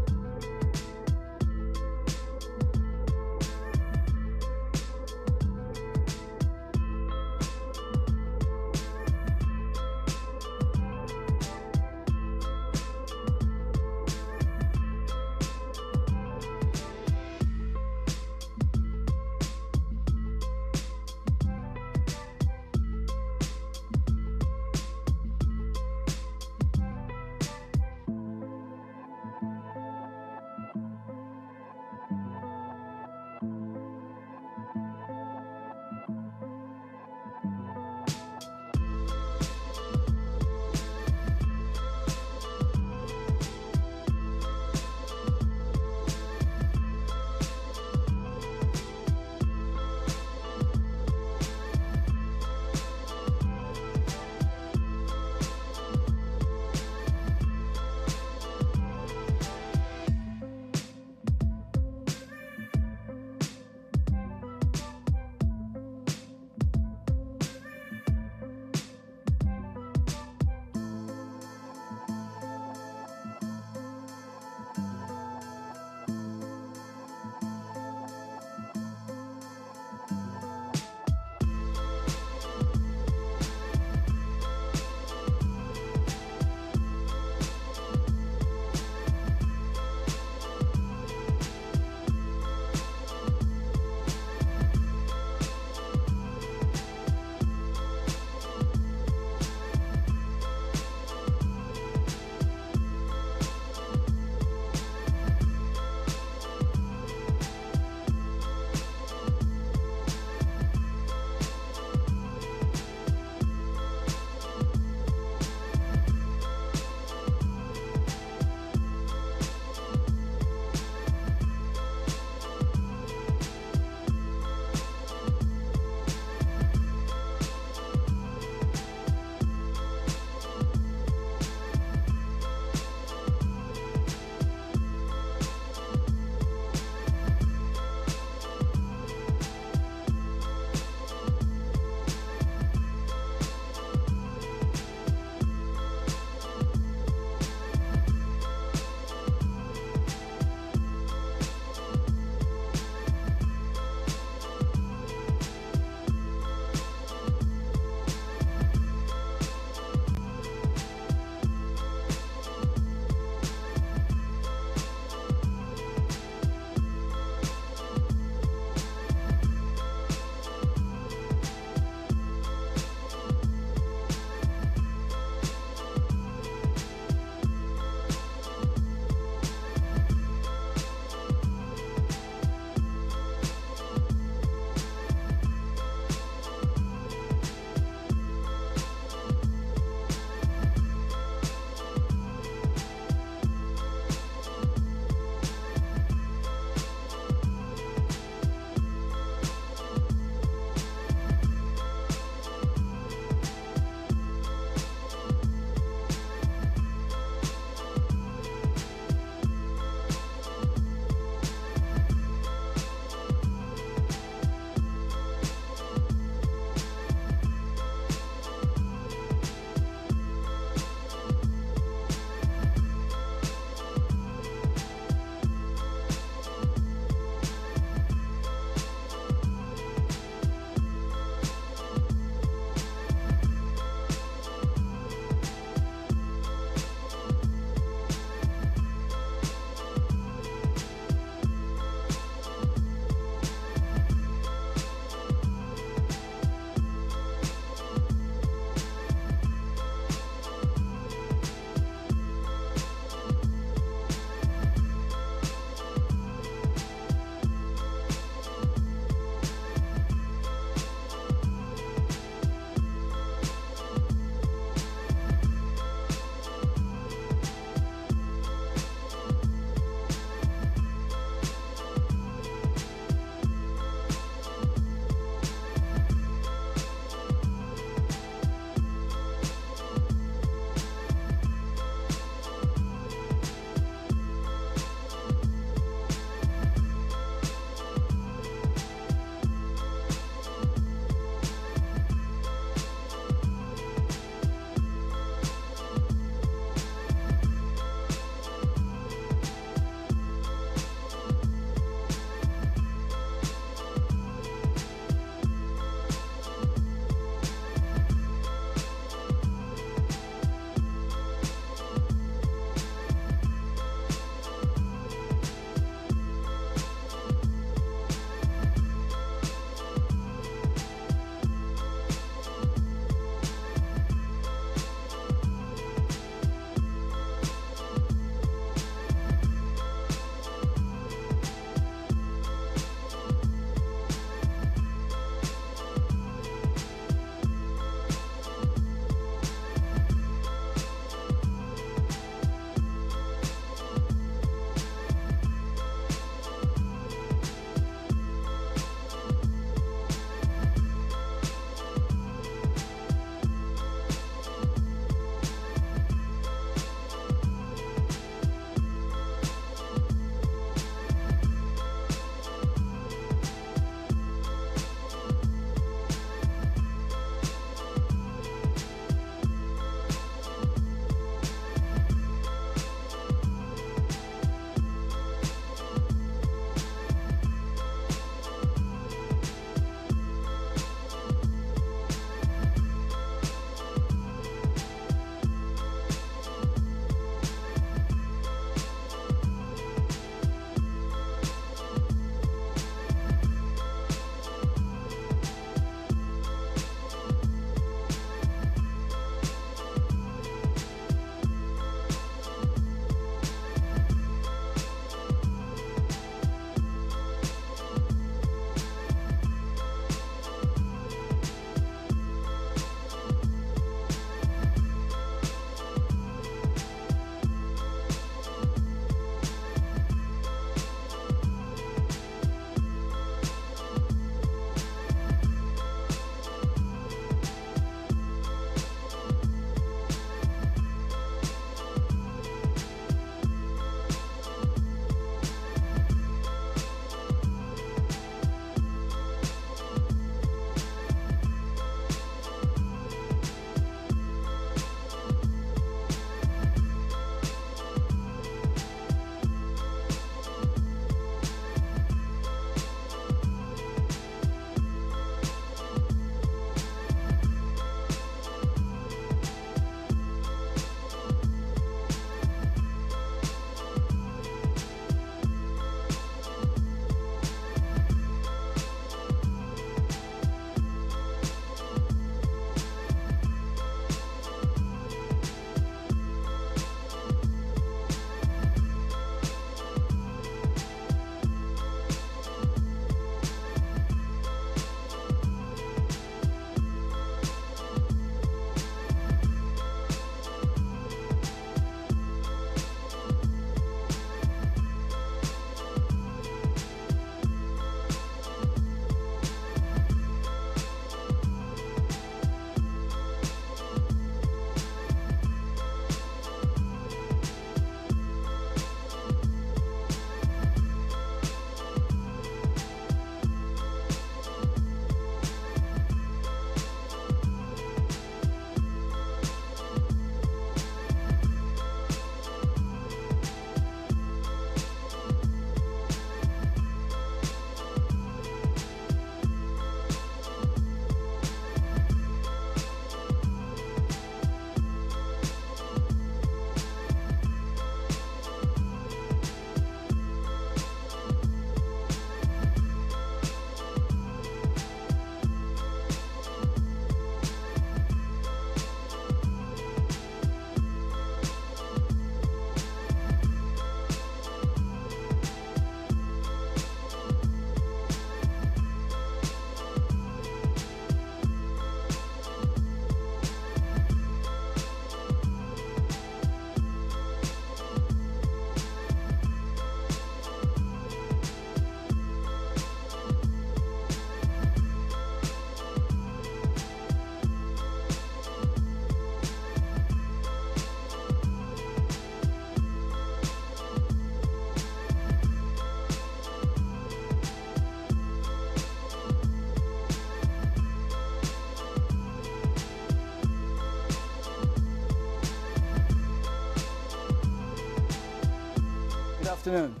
Good afternoon.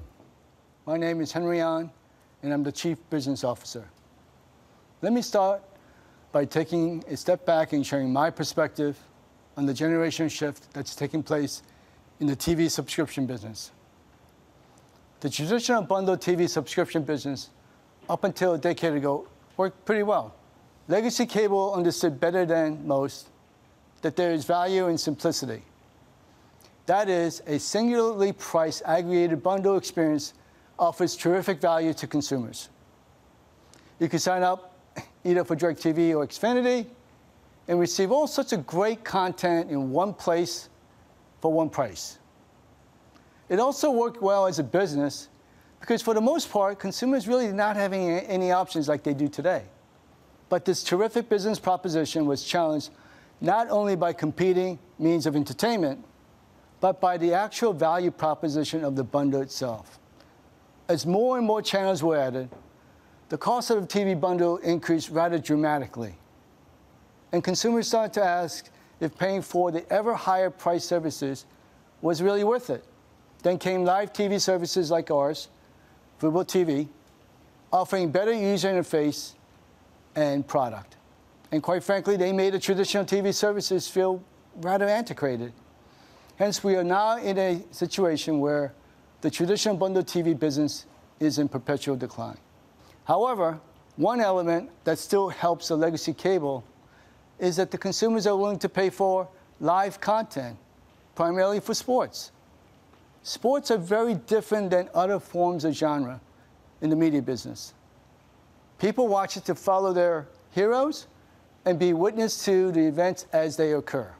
My name is Henry Ahn, and I'm the Chief Business Officer. Let me start by taking a step back and sharing my perspective on the generation shift that's taking place in the TV subscription business. The traditional bundled TV subscription business up until a decade ago worked pretty well. Legacy cable understood better than most that there is value in simplicity. That is, a singularly priced aggregated bundle experience offers terrific value to consumers. You can sign up either for DirecTV or Xfinity and receive all sorts of great content in one place for one price. It also worked well as a business because for the most part, consumers really not having any options like they do today. This terrific business proposition was challenged not only by competing means of entertainment, but by the actual value proposition of the bundle itself. As more and more channels were added, the cost of the TV bundle increased rather dramatically, and consumers started to ask if paying for the ever higher priced services was really worth it. Live TV services like ours, FuboTV, offering better user interface and product. Quite frankly, they made the traditional TV services feel rather antiquated. Hence, we are now in a situation where the traditional bundled TV business is in perpetual decline. However, one element that still helps the legacy cable is that the consumers are willing to pay for live content, primarily for sports. Sports are very different than other forms of genre in the media business. People watch it to follow their heroes and be witness to the events as they occur.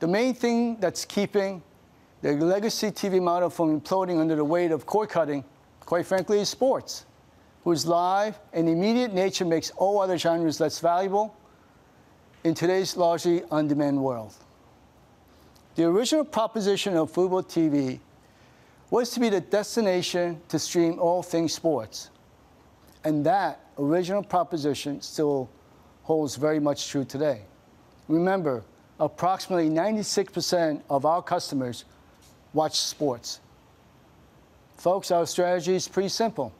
The main thing that's keeping the legacy TV model from imploding under the weight of cord cutting, quite frankly, is sports, whose live and immediate nature makes all other genres less valuable in today's largely on-demand world. The original proposition of FuboTV was to be the destination to stream all things sports, and that original proposition still holds very much true today. Remember, approximately 96% of our customers watch sports. Folks, our strategy is pretty simple.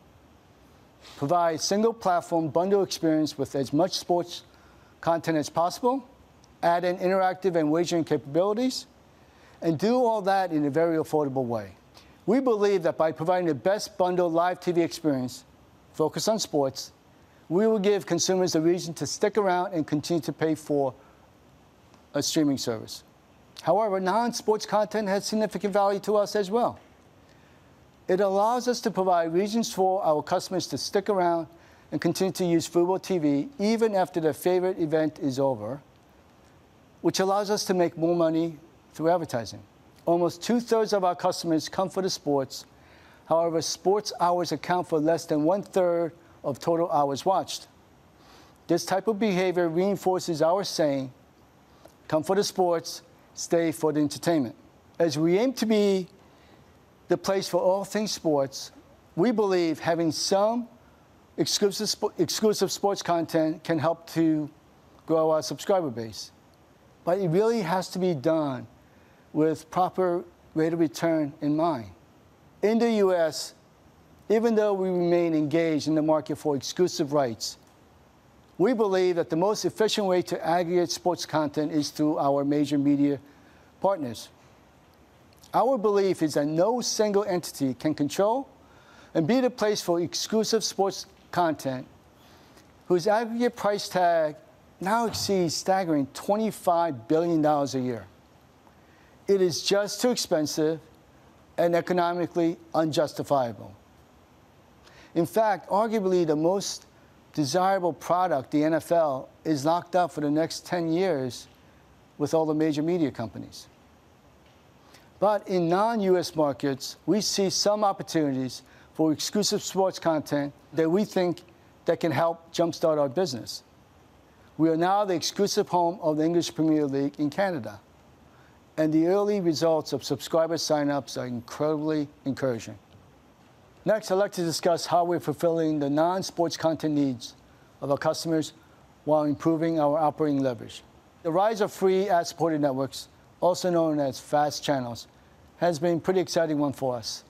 Provide single platform bundle experience with as much sports content as possible, add in interactive and wagering capabilities, and do all that in a very affordable way. We believe that by providing the best bundled live TV experience focused on sports, we will give consumers a reason to stick around and continue to pay for a streaming service. However, non-sports content has significant value to us as well. It allows us to provide reasons for our customers to stick around and continue to use FuboTV even after their favorite event is over, which allows us to make more money through advertising. Almost two-thirds of our customers come for the sports. However, sports hours account for less than one-third of total hours watched. This type of behavior reinforces our saying, "Come for the sports, stay for the entertainment." As we aim to be the place for all things sports, we believe having some exclusive sports content can help to grow our subscriber base, but it really has to be done with proper rate of return in mind. In the U.S., even though we remain engaged in the market for exclusive rights, we believe that the most efficient way to aggregate sports content is through our major media partners. Our belief is that no single entity can control and be the place for exclusive sports content whose aggregate price tag now exceeds a staggering $25 billion a year. It is just too expensive and economically unjustifiable. In fact, arguably the most desirable product, the NFL, is locked up for the next 10 years with all the major media companies. In non-US markets, we see some opportunities for exclusive sports content that we think that can help jumpstart our business. We are now the exclusive home of the English Premier League in Canada, and the early results of subscriber sign-ups are incredibly encouraging. Next, I'd like to discuss how we're fulfilling the non-sports content needs of our customers while improving our operating leverage. The rise of free ad-supported networks, also known as FAST channels, has been pretty exciting one for us.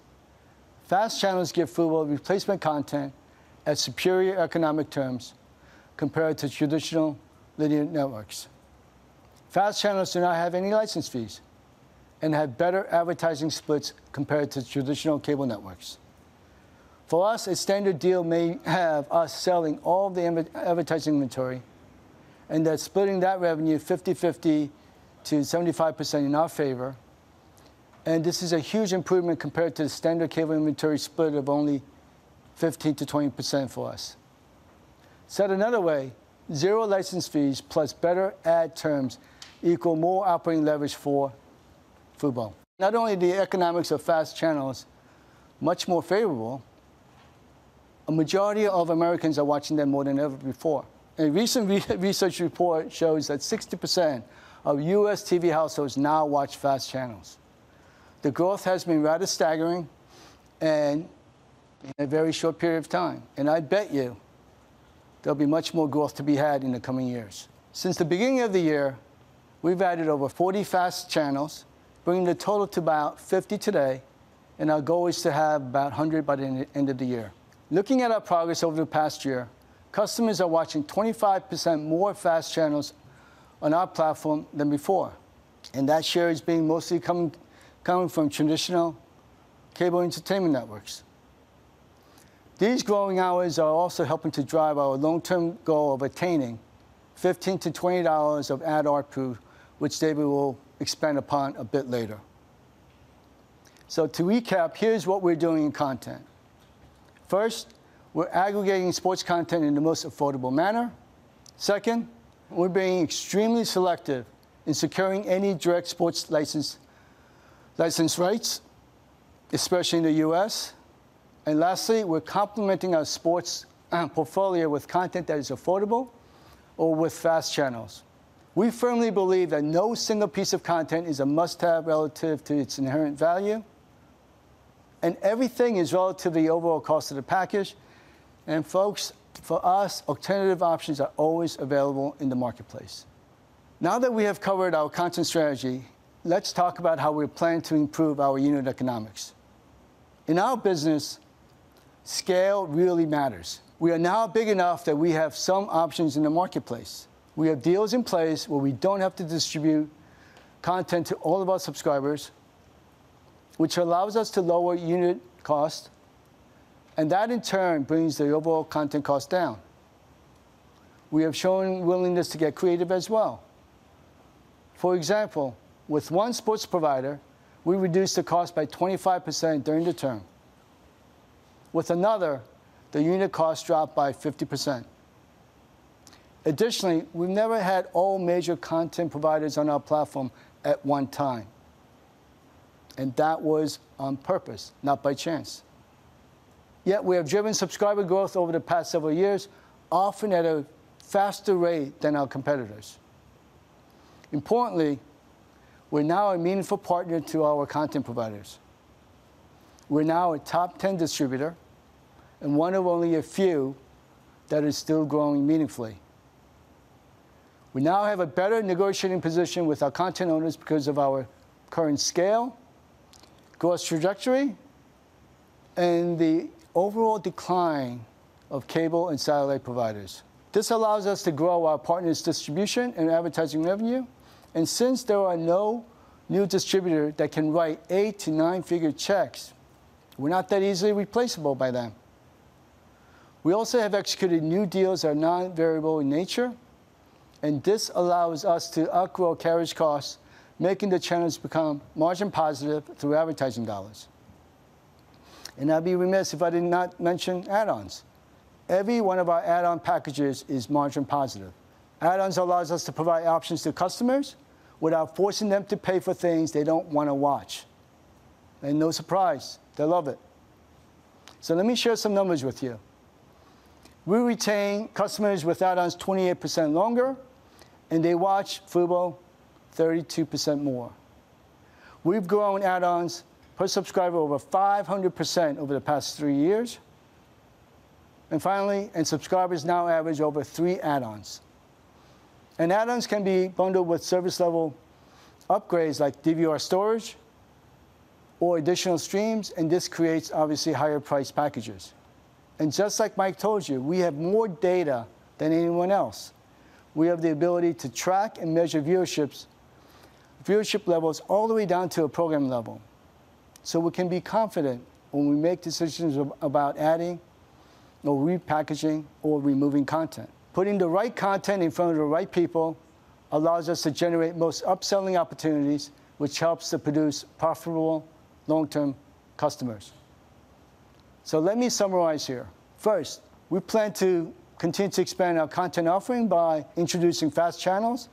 FAST channels give Fubo replacement content at superior economic terms compared to traditional linear networks. FAST channels do not have any license fees and have better advertising splits compared to traditional cable networks. For us, a standard deal may have us selling all the advertising inventory and then splitting that revenue 50-50 to 75% in our favor, and this is a huge improvement compared to the standard cable inventory split of only 15%-20% for us. Said another way, zero license fees plus better ad terms equal more operating leverage for Fubo. Not only are the economics of FAST channels much more favorable, a majority of Americans are watching them more than ever before. A recent research report shows that 60% of U.S. TV households now watch FAST channels. The growth has been rather staggering and in a very short period of time, and I bet you there'll be much more growth to be had in the coming years. Since the beginning of the year, we've added over 40 FAST channels, bringing the total to about 50 today, and our goal is to have about 100 by the end of the year. Looking at our progress over the past year, customers are watching 25% more FAST channels on our platform than before, and that share is being mostly coming from traditional cable entertainment networks. These growing hours are also helping to drive our long-term goal of attaining 15-20 hours of ad ARPU, which David will expand upon a bit later. To recap, here's what we're doing in content. First, we're aggregating sports content in the most affordable manner. Second, we're being extremely selective in securing any direct sports license rights, especially in the US. Lastly, we're complementing our sports portfolio with content that is affordable or with FAST channels. We firmly believe that no single piece of content is a must-have relative to its inherent value, and everything is relative to the overall cost of the package. Folks, for us, alternative options are always available in the marketplace. Now that we have covered our content strategy, let's talk about how we plan to improve our unit economics. In our business, scale really matters. We are now big enough that we have some options in the marketplace. We have deals in place where we don't have to distribute content to all of our subscribers, which allows us to lower unit cost, and that in turn brings the overall content cost down. We have shown willingness to get creative as well. For example, with one sports provider, we reduced the cost by 25% during the term. With another, the unit cost dropped by 50%. Additionally, we've never had all major content providers on our platform at one time, and that was on purpose, not by chance. Yet we have driven subscriber growth over the past several years, often at a faster rate than our competitors. Importantly, we're now a meaningful partner to our content providers. We're now a top ten distributor and one of only a few that is still growing meaningfully. We now have a better negotiating position with our content owners because of our current scale, growth trajectory, and the overall decline of cable and satellite providers. This allows us to grow our partners' distribution and advertising revenue. Since there are no new distributor that can write eight- to nine-figure checks, we're not that easily replaceable by them. We also have executed new deals that are non-variable in nature, and this allows us to outgrow carriage costs, making the channels become margin positive through advertising dollars. I'd be remiss if I did not mention add-ons. Every one of our add-on packages is margin positive. Add-ons allows us to provide options to customers without forcing them to pay for things they don't wanna watch. No surprise, they love it. Let me share some numbers with you. We retain customers with add-ons 28% longer, and they watch Fubo 32% more. We've grown add-ons per subscriber over 500% over the past three years. Finally, subscribers now average over three add-ons. Add-ons can be bundled with service level upgrades like DVR storage or additional streams, and this creates obviously higher priced packages. Just like Mike told you, we have more data than anyone else. We have the ability to track and measure viewerships, viewership levels all the way down to a program level, so we can be confident when we make decisions about adding or repackaging or removing content. Putting the right content in front of the right people allows us to generate most upselling opportunities, which helps to produce profitable long-term customers. Let me summarize here. First, we plan to continue to expand our content offering by introducing FAST channels,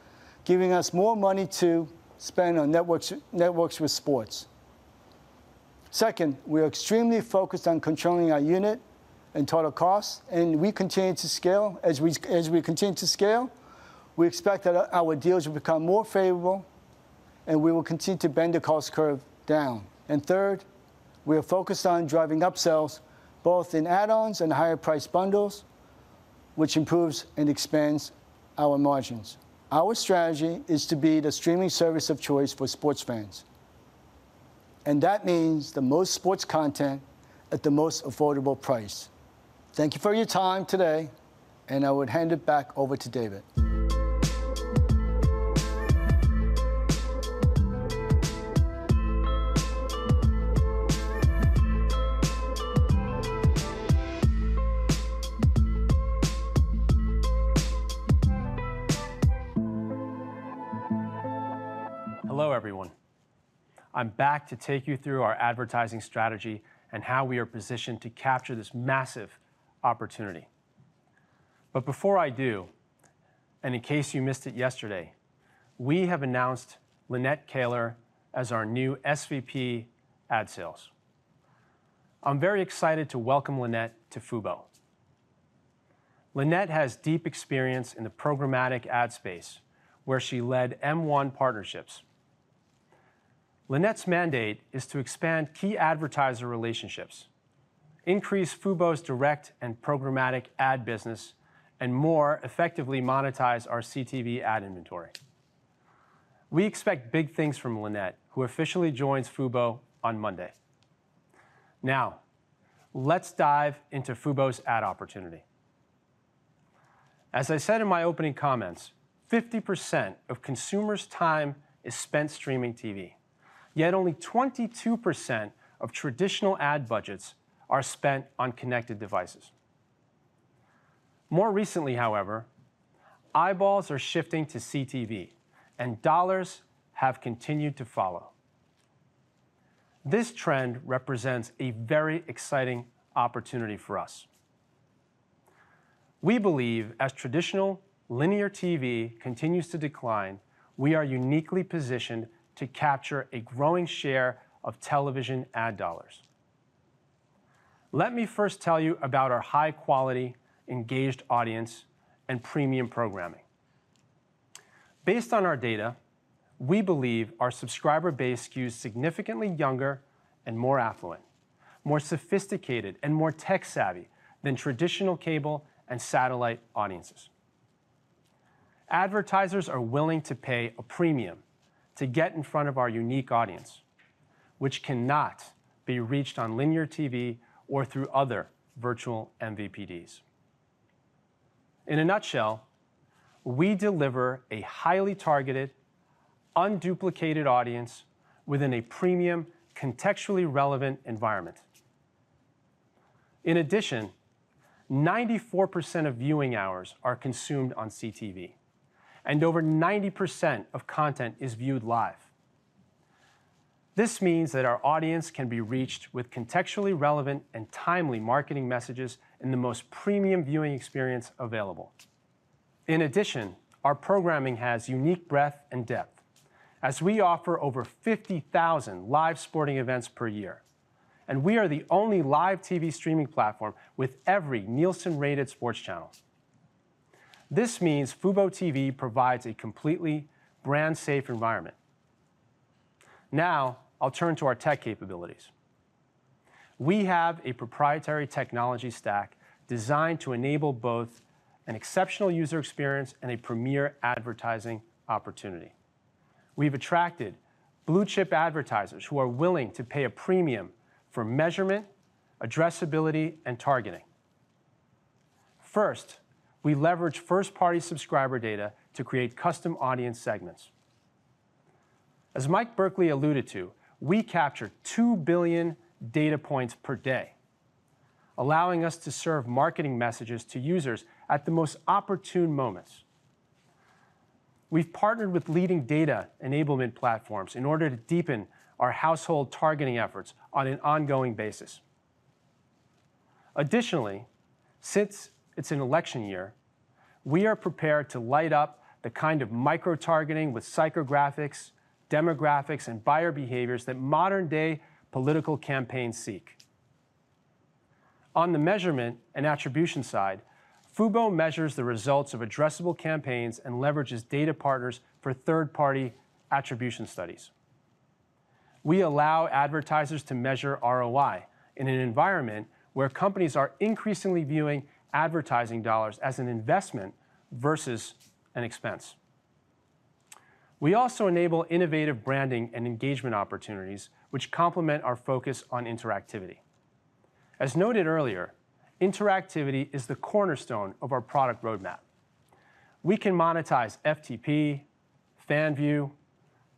giving us more money to spend on networks with sports. Second, we are extremely focused on controlling our unit and total costs, and we continue to scale. As we continue to scale, we expect that our deals will become more favorable, and we will continue to bend the cost curve down. Third, we are focused on driving upsells both in add-ons and higher priced bundles, which improves and expands our margins. Our strategy is to be the streaming service of choice for sports fans, and that means the most sports content at the most affordable price. Thank you for your time today, and I would hand it back over to David. Hello, everyone. I'm back to take you through our advertising strategy and how we are positioned to capture this massive opportunity. Before I do, and in case you missed it yesterday, we have announced Lynette Kaylor as our new SVP, Ad Sales. I'm very excited to welcome Lynette to Fubo. Lynette has deep experience in the programmatic ad space, where she led M1 partnerships. Lynette's mandate is to expand key advertiser relationships, increase Fubo's direct and programmatic ad business, and more effectively monetize our CTV ad inventory. We expect big things from Lynette, who officially joins Fubo on Monday. Now, let's dive into Fubo's ad opportunity. As I said in my opening comments, 50% of consumers' time is spent streaming TV, yet only 22% of traditional ad budgets are spent on connected devices. More recently, however, eyeballs are shifting to CTV, and dollars have continued to follow. This trend represents a very exciting opportunity for us. We believe as traditional linear TV continues to decline, we are uniquely positioned to capture a growing share of television ad dollars. Let me first tell you about our high-quality, engaged audience and premium programming. Based on our data, we believe our subscriber base skews significantly younger and more affluent, more sophisticated, and more tech-savvy than traditional cable and satellite audiences. Advertisers are willing to pay a premium to get in front of our unique audience, which cannot be reached on linear TV or through other virtual MVPDs. In a nutshell, we deliver a highly targeted, unduplicated audience within a premium, contextually relevant environment. In addition, 94% of viewing hours are consumed on CTV, and over 90% of content is viewed live. This means that our audience can be reached with contextually relevant and timely marketing messages in the most premium viewing experience available. In addition, our programming has unique breadth and depth as we offer over 50,000 live sporting events per year, and we are the only live TV streaming platform with every Nielsen-rated sports channels. This means FuboTV provides a completely brand-safe environment. Now, I'll turn to our tech capabilities. We have a proprietary technology stack designed to enable both an exceptional user experience and a premier advertising opportunity. We've attracted blue-chip advertisers who are willing to pay a premium for measurement, addressability, and targeting. First, we leverage first-party subscriber data to create custom audience segments. As Mike Berkley alluded to, we capture 2 billion data points per day, allowing us to serve marketing messages to users at the most opportune moments. We've partnered with leading data enablement platforms in order to deepen our household targeting efforts on an ongoing basis. Additionally, since it's an election year, we are prepared to light up the kind of micro-targeting with psychographics, demographics, and buyer behaviors that modern-day political campaigns seek. On the measurement and attribution side, FuboTV measures the results of addressable campaigns and leverages data partners for third-party attribution studies. We allow advertisers to measure ROI in an environment where companies are increasingly viewing advertising dollars as an investment versus an expense. We also enable innovative branding and engagement opportunities which complement our focus on interactivity. As noted earlier, interactivity is the cornerstone of our product roadmap. We can monetize F2P, FanView,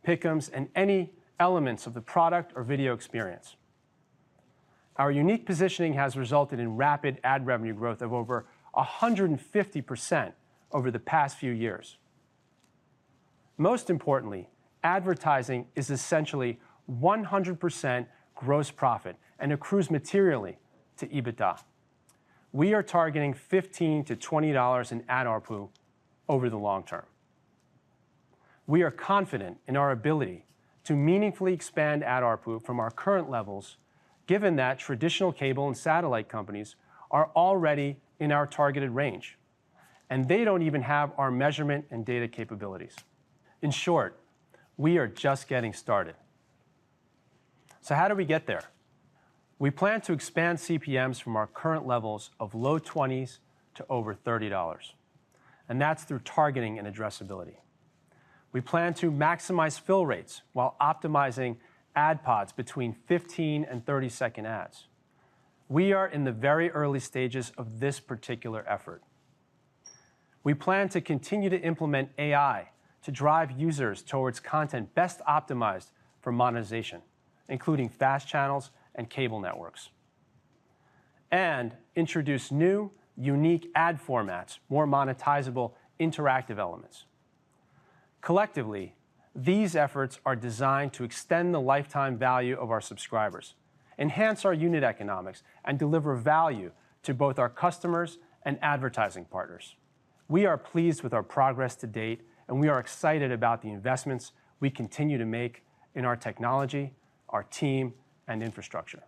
pick'ems, and any elements of the product or video experience. Our unique positioning has resulted in rapid ad revenue growth of over 150% over the past few years. Most importantly, advertising is essentially 100% gross profit and accrues materially to EBITDA. We are targeting $15-$20 in ad ARPU over the long term. We are confident in our ability to meaningfully expand ad ARPU from our current levels, given that traditional cable and satellite companies are already in our targeted range, and they don't even have our measurement and data capabilities. In short, we are just getting started. How do we get there? We plan to expand CPMs from our current levels of low 20s to over $30, and that's through targeting and addressability. We plan to maximize fill rates while optimizing ad pods between 15- and 30-second ads. We are in the very early stages of this particular effort. We plan to continue to implement AI to drive users towards content best optimized for monetization, including FAST channels and cable networks, and introduce new, unique ad formats, more monetizable interactive elements. Collectively, these efforts are designed to extend the lifetime value of our subscribers, enhance our unit economics, and deliver value to both our customers and advertising partners. We are pleased with our progress to date, and we are excited about the investments we continue to make in our technology, our team, and infrastructure.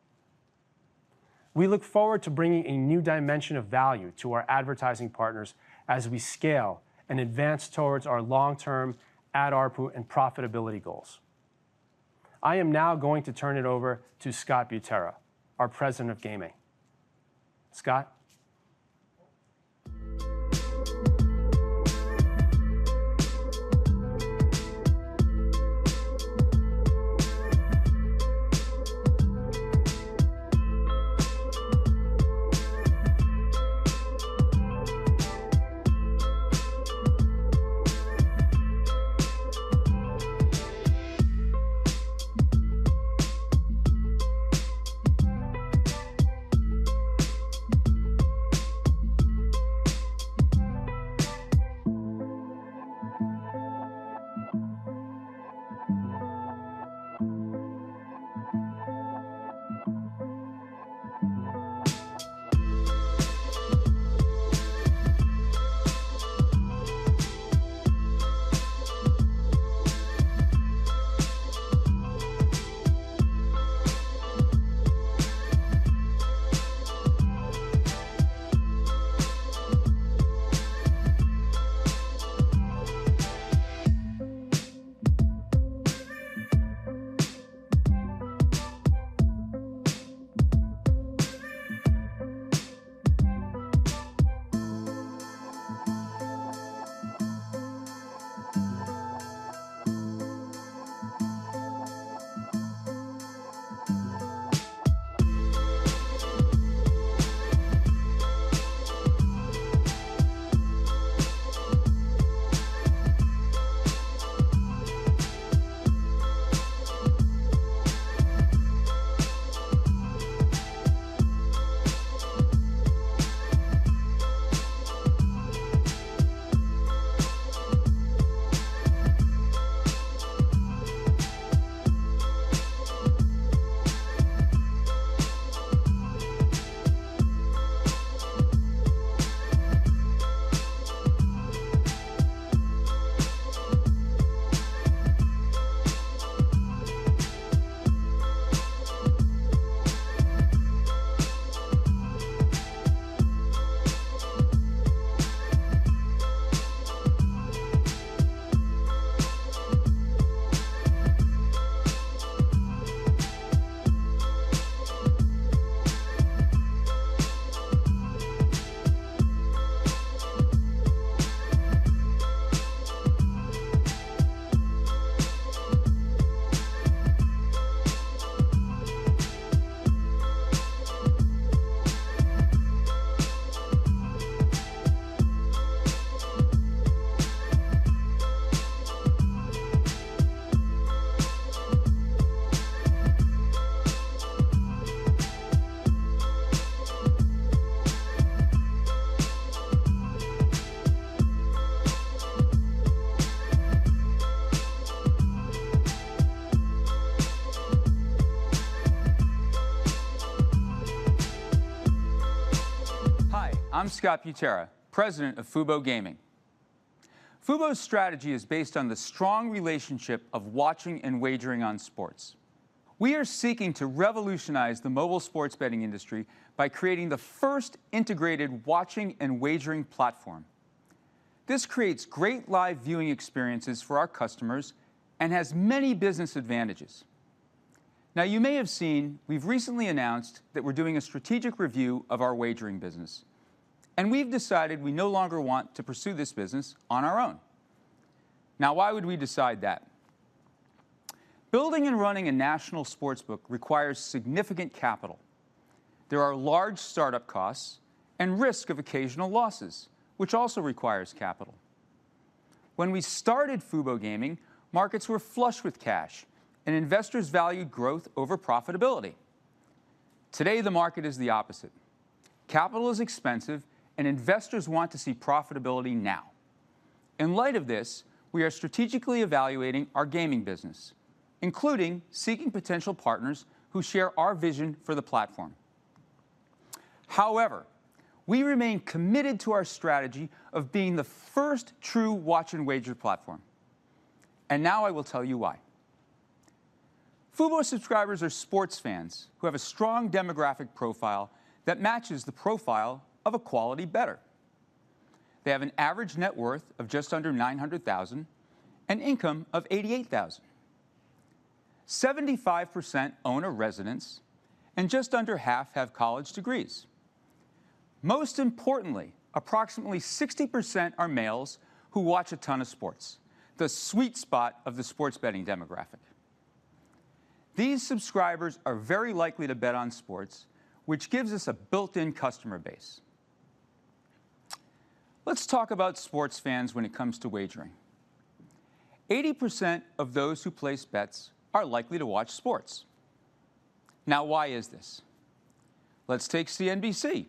We look forward to bringing a new dimension of value to our advertising partners as we scale and advance towards our long-term ad ARPU and profitability goals. I am now going to turn it over to Scott Butera, our President of Gaming. Scott? Hi, I'm Scott Butera, President of Fubo Gaming. Fubo's strategy is based on the strong relationship of watching and wagering on sports. We are seeking to revolutionize the mobile sports betting industry by creating the first integrated watching and wagering platform. This creates great live viewing experiences for our customers and has many business advantages. Now, you may have seen we've recently announced that we're doing a strategic review of our wagering business, and we've decided we no longer want to pursue this business on our own. Now, why would we decide that? Building and running a national sportsbook requires significant capital. There are large startup costs and risk of occasional losses, which also requires capital. When we started Fubo Gaming, markets were flush with cash, and investors valued growth over profitability. Today, the market is the opposite. Capital is expensive, and investors want to see profitability now. In light of this, we are strategically evaluating our gaming business, including seeking potential partners who share our vision for the platform. However, we remain committed to our strategy of being the first true watch and wager platform. Now I will tell you why. Fubo subscribers are sports fans who have a strong demographic profile that matches the profile of a quality bettor. They have an average net worth of just under $900,000 and income of $88,000. 75% own a residence and just under half have college degrees. Most importantly, approximately 60% are males who watch a ton of sports, the sweet spot of the sports betting demographic. These subscribers are very likely to bet on sports, which gives us a built-in customer base. Let's talk about sports fans when it comes to wagering. 80% of those who place bets are likely to watch sports. Now, why is this? Let's take CNBC.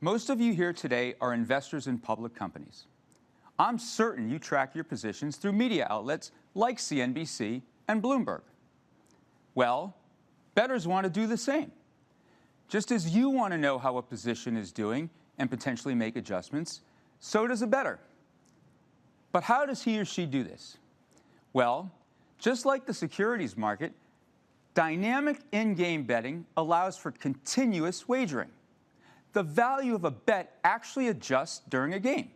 Most of you here today are investors in public companies. I'm certain you track your positions through media outlets like CNBC and Bloomberg. Well, bettors wanna do the same. Just as you wanna know how a position is doing and potentially make adjustments, so does a bettor. But how does he or she do this? Well, just like the securities market, dynamic in-game betting allows for continuous wagering. The value of a bet actually adjusts during a game.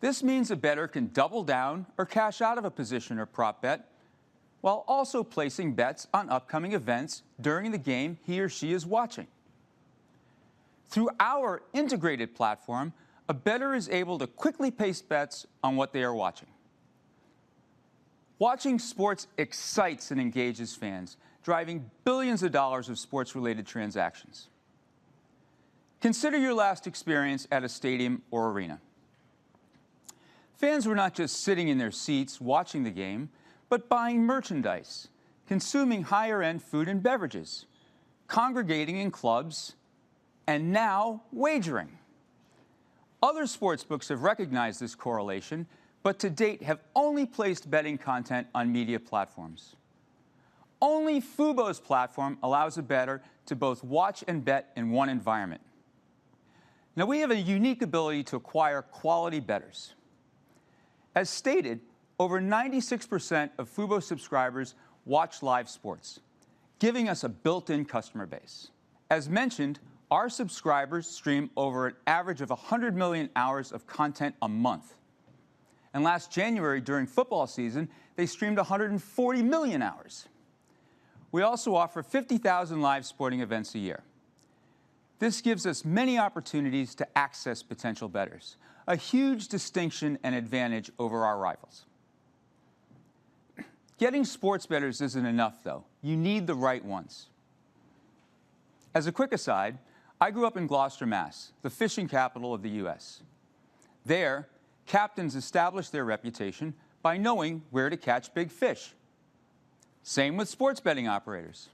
This means a bettor can double down or cash out of a position or prop bet while also placing bets on upcoming events during the game he or she is watching. Through our integrated platform, a bettor is able to quickly place bets on what they are watching. Watching sports excites and engages fans, driving billions of dollars of sports-related transactions. Consider your last experience at a stadium or arena. Fans were not just sitting in their seats watching the game, but buying merchandise, consuming higher-end food and beverages, congregating in clubs, and now wagering. Other sportsbooks have recognized this correlation, but to date have only placed betting content on media platforms. Only FuboTV's platform allows a bettor to both watch and bet in one environment. Now, we have a unique ability to acquire quality bettors. As stated, over 96% of FuboTV subscribers watch live sports, giving us a built-in customer base. As mentioned, our subscribers stream over an average of 100 million hours of content a month, and last January during football season, they streamed 140 million hours. We also offer 50,000 live sporting events a year. This gives us many opportunities to access potential bettors, a huge distinction and advantage over our rivals. Getting sports bettors isn't enough, though. You need the right ones. As a quick aside, I grew up in Gloucester, Mass., the fishing capital of the U.S. There, captains established their reputation by knowing where to catch big fish. Same with sports betting operators.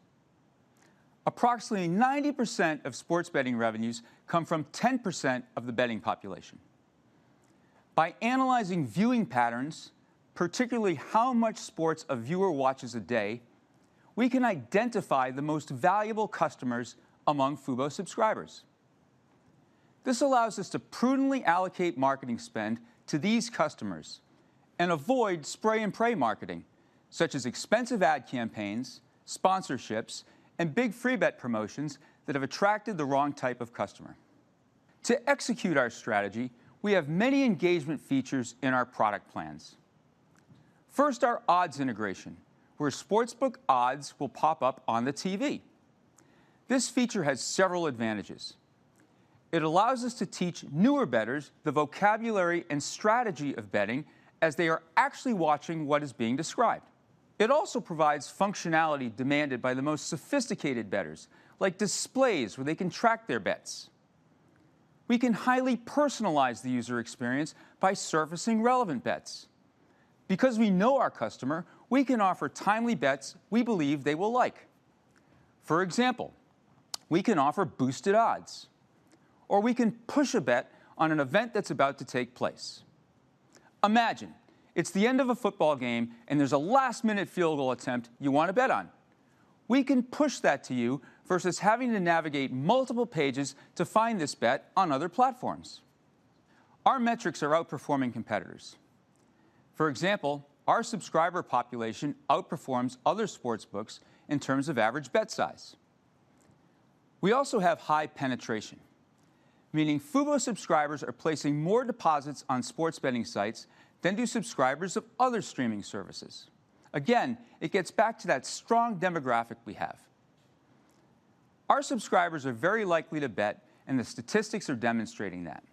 Approximately 90% of sports betting revenues come from 10% of the betting population. By analyzing viewing patterns, particularly how much sports a viewer watches a day, we can identify the most valuable customers among Fubo subscribers. This allows us to prudently allocate marketing spend to these customers and avoid spray and pray marketing, such as expensive ad campaigns, sponsorships, and big free bet promotions that have attracted the wrong type of customer. To execute our strategy, we have many engagement features in our product plans. First, our odds integration, where sportsbook odds will pop up on the TV. This feature has several advantages. It allows us to teach newer bettors the vocabulary and strategy of betting as they are actually watching what is being described. It also provides functionality demanded by the most sophisticated bettors, like displays where they can track their bets. We can highly personalize the user experience by surfacing relevant bets. Because we know our customer, we can offer timely bets we believe they will like. For example, we can offer boosted odds, or we can push a bet on an event that's about to take place. Imagine it's the end of a football game and there's a last-minute field goal attempt you wanna bet on. We can push that to you versus having to navigate multiple pages to find this bet on other platforms. Our metrics are outperforming competitors. For example, our subscriber population outperforms other sportsbooks in terms of average bet size. We also have high penetration, meaning Fubo subscribers are placing more deposits on sports betting sites than do subscribers of other streaming services. Again, it gets back to that strong demographic we have. Our subscribers are very likely to bet, and the statistics are demonstrating that.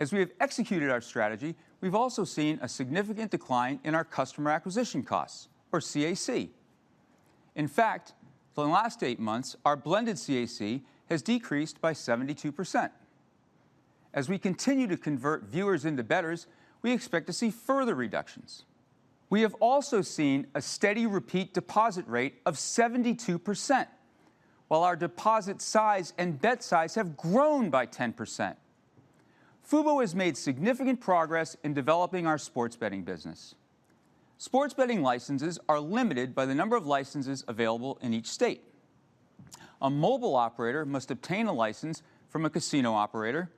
As we have executed our strategy, we've also seen a significant decline in our customer acquisition costs, or CAC. In fact, for the last eight months, our blended CAC has decreased by 72%. As we continue to convert viewers into bettors, we expect to see further reductions. We have also seen a steady repeat deposit rate of 72%, while our deposit size and bet size have grown by 10%. Fubo has made significant progress in developing our sports betting business. Sports betting licenses are limited by the number of licenses available in each state. A mobile operator must obtain a license from a casino operator,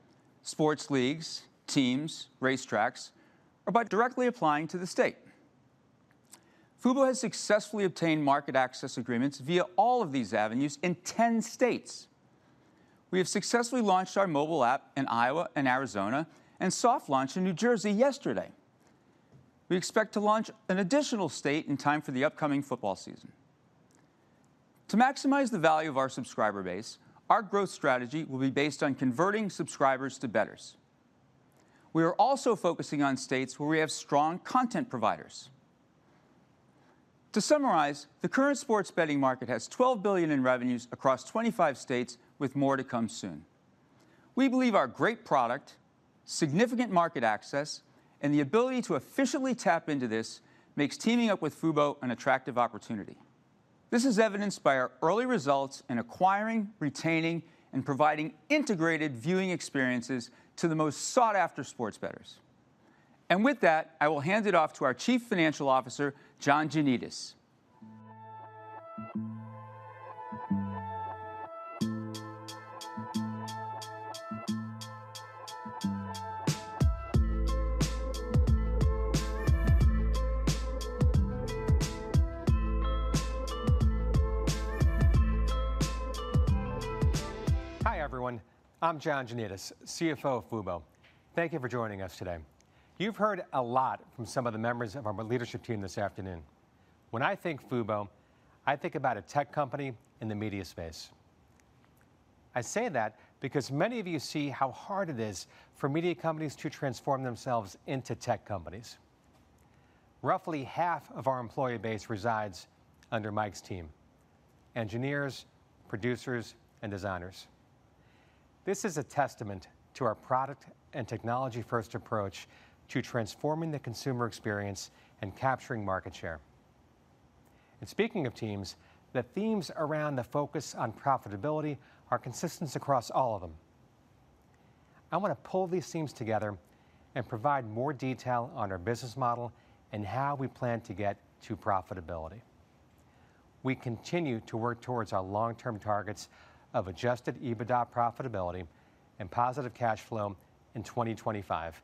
sports leagues, teams, racetracks, or by directly applying to the state. Fubo has successfully obtained market access agreements via all of these avenues in 10 states. We have successfully launched our mobile app in Iowa and Arizona, and soft launched in New Jersey yesterday. We expect to launch an additional state in time for the upcoming football season. To maximize the value of our subscriber base, our growth strategy will be based on converting subscribers to bettors. We are also focusing on states where we have strong content providers. To summarize, the current sports betting market has $12 billion in revenues across 25 states, with more to come soon. We believe our great product, significant market access, and the ability to efficiently tap into this makes teaming up with Fubo an attractive opportunity. This is evidenced by our early results in acquiring, retaining, and providing integrated viewing experiences to the most sought-after sports bettors. With that, I will hand it off to our Chief Financial Officer, John Janedis. Hi, everyone. I'm John Janedis, CFO of Fubo. Thank you for joining us today. You've heard a lot from some of the members of our leadership team this afternoon. When I think Fubo, I think about a tech company in the media space. I say that because many of you see how hard it is for media companies to transform themselves into tech companies. Roughly half of our employee base resides under Mike's team, engineers, producers, and designers. This is a testament to our product and technology-first approach to transforming the consumer experience and capturing market share. Speaking of teams, the themes around the focus on profitability are consistent across all of them. I wanna pull these themes together and provide more detail on our business model and how we plan to get to profitability. We continue to work towards our long-term targets of adjusted EBITDA profitability and positive cash flow in 2025,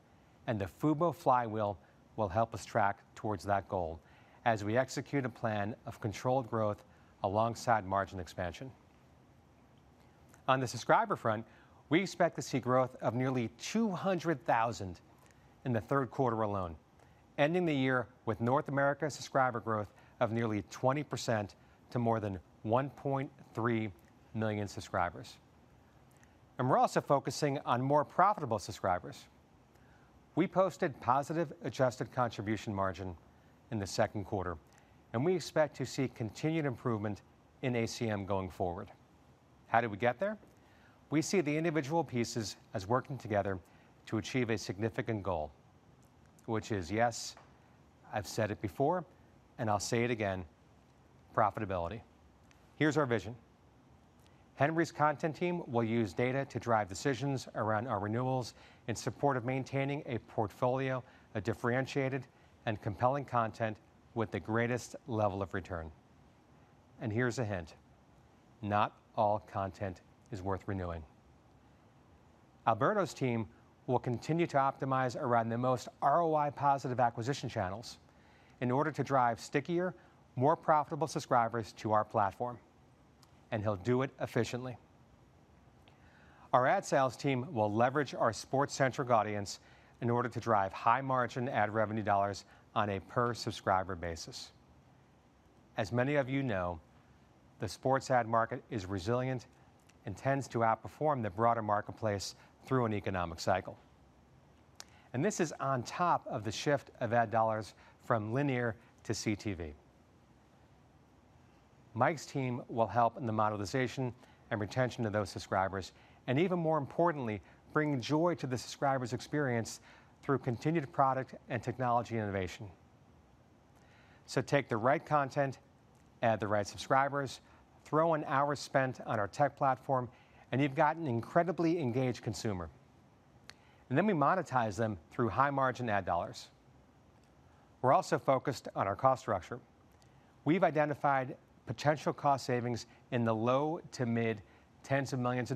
and the Fubo flywheel will help us track towards that goal as we execute a plan of controlled growth alongside margin expansion. On the subscriber front, we expect to see growth of nearly 200,000 in the Q3 alone, ending the year with North America subscriber growth of nearly 20% to more than 1.3 million subscribers. We're also focusing on more profitable subscribers. We posted positive adjusted contribution margin in the Q2, and we expect to see continued improvement in ACM going forward. How did we get there? We see the individual pieces as working together to achieve a significant goal, which is, yes, I've said it before and I'll say it again, profitability. Here's our vision. Henry's content team will use data to drive decisions around our renewals in support of maintaining a portfolio of differentiated and compelling content with the greatest level of return. Here's a hint, not all content is worth renewing. Alberto's team will continue to optimize around the most ROI positive acquisition channels in order to drive stickier, more profitable subscribers to our platform, and he'll do it efficiently. Our ad sales team will leverage our sports-centric audience in order to drive high-margin ad revenue dollars on a per-subscriber basis. As many of you know, the sports ad market is resilient and tends to outperform the broader marketplace through an economic cycle. This is on top of the shift of ad dollars from linear to CTV. Mike's team will help in the monetization and retention of those subscribers, and even more importantly, bring joy to the subscriber's experience through continued product and technology innovation. Take the right content, add the right subscribers, throw in hours spent on our tech platform, and you've got an incredibly engaged consumer. Then we monetize them through high-margin ad dollars. We're also focused on our cost structure. We've identified potential cost savings in the $10 million-$15 million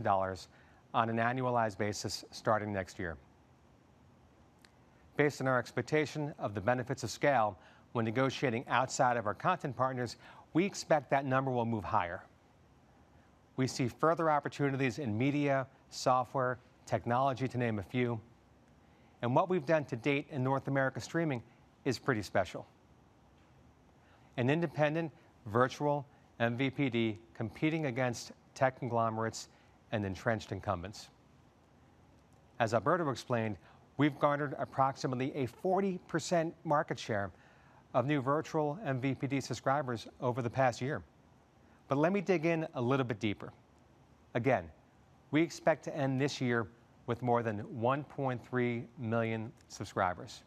on an annualized basis starting next year. Based on our expectation of the benefits of scale when negotiating outside of our content partners, we expect that number will move higher. We see further opportunities in media, software, technology to name a few. What we've done to date in North America streaming is pretty special. An independent virtual MVPD competing against tech conglomerates and entrenched incumbents. As Alberto explained, we've garnered approximately 40% market share of new virtual MVPD subscribers over the past year. Let me dig in a little bit deeper. Again, we expect to end this year with more than 1.3 million subscribers.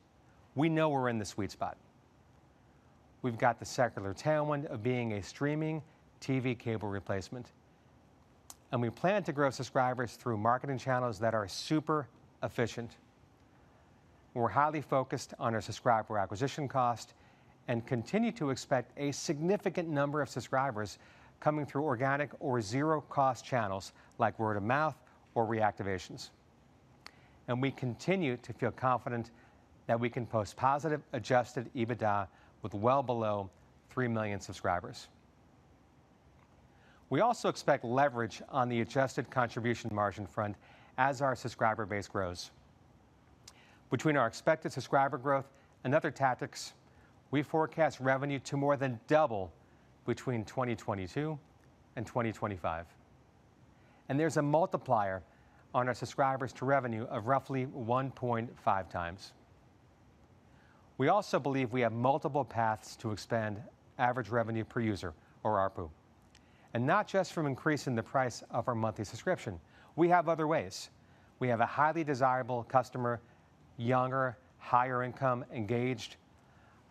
We know we're in the sweet spot. We've got the secular tailwind of being a streaming TV cable replacement, and we plan to grow subscribers through marketing channels that are super efficient. We're highly focused on our subscriber acquisition cost and continue to expect a significant number of subscribers coming through organic or zero-cost channels like word of mouth or reactivations. We continue to feel confident that we can post positive adjusted EBITDA with well below 3 million subscribers. We also expect leverage on the adjusted contribution margin front as our subscriber base grows. Between our expected subscriber growth and other tactics, we forecast revenue to more than double between 2022 and 2025. There's a multiplier on our subscribers to revenue of roughly 1.5 times. We also believe we have multiple paths to expand average revenue per user or ARPU, and not just from increasing the price of our monthly subscription. We have other ways. We have a highly desirable customer, younger, higher income, engaged.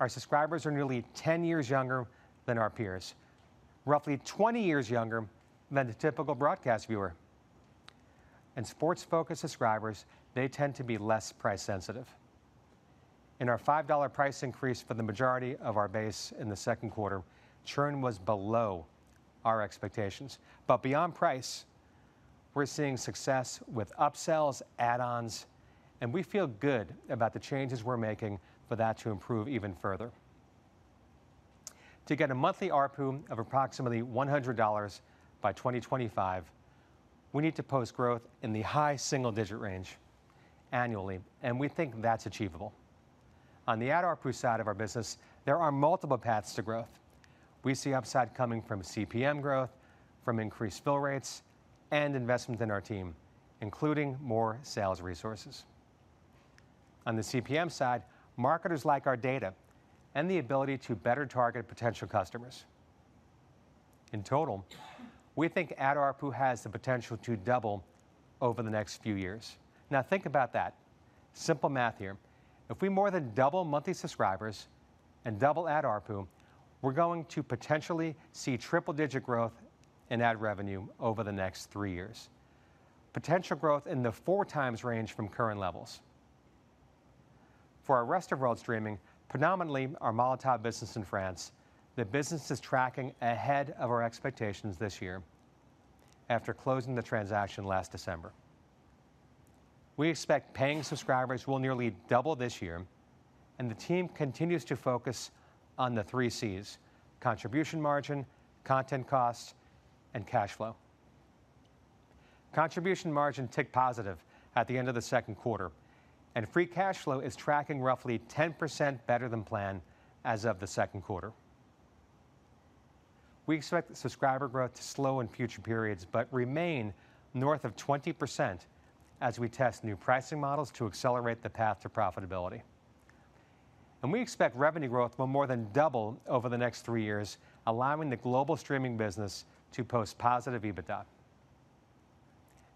Our subscribers are nearly 10 years younger than our peers, roughly 20 years younger than the typical broadcast viewer. Sports-focused subscribers, they tend to be less price sensitive. In our $5 price increase for the majority of our base in the Q2, churn was below our expectations. Beyond price, we're seeing success with upsells, add-ons, and we feel good about the changes we're making for that to improve even further. To get a monthly ARPU of approximately $100 by 2025, we need to post growth in the high single-digit range annually, and we think that's achievable. On the ad ARPU side of our business, there are multiple paths to growth. We see upside coming from CPM growth, from increased fill rates, and investment in our team, including more sales resources. On the CPM side, marketers like our data and the ability to better target potential customers. In total, we think ad ARPU has the potential to double over the next few years. Now think about that. Simple math here. If we more than double monthly subscribers and double ad ARPU, we're going to potentially see triple-digit growth in ad revenue over the next three years. Potential growth in the four times range from current levels. For our rest of world streaming, predominantly our Molotov business in France, the business is tracking ahead of our expectations this year after closing the transaction last December. We expect paying subscribers will nearly double this year, and the team continues to focus on the three Cs, contribution margin, content costs, and cash flow. Contribution margin ticked positive at the end of the Q2, and free cash flow is tracking roughly 10% better than planned as of the Q2. We expect subscriber growth to slow in future periods but remain north of 20% as we test new pricing models to accelerate the path to profitability. We expect revenue growth will more than double over the next three years, allowing the global streaming business to post positive EBITDA.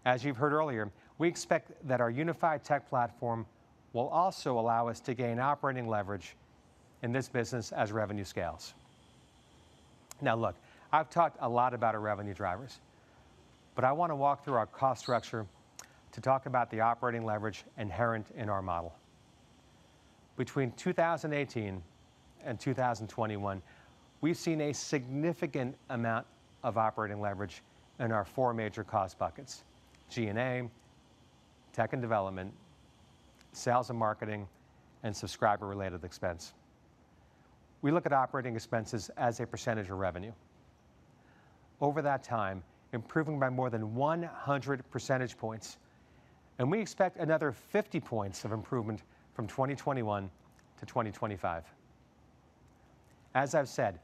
As you've heard earlier, we expect that our unified tech platform will also allow us to gain operating leverage in this business as revenue scales. Now look, I've talked a lot about our revenue drivers, but I want to walk through our cost structure to talk about the operating leverage inherent in our model. Between 2018 and 2021, we've seen a significant amount of operating leverage in our four major cost buckets, G&A, tech and development, sales and marketing, and subscriber-related expense. We look at operating expenses as a percentage of revenue. Over that time, improving by more than 100 percentage points, and we expect another 50 points of improvement from 2021 to 2025. As I've said,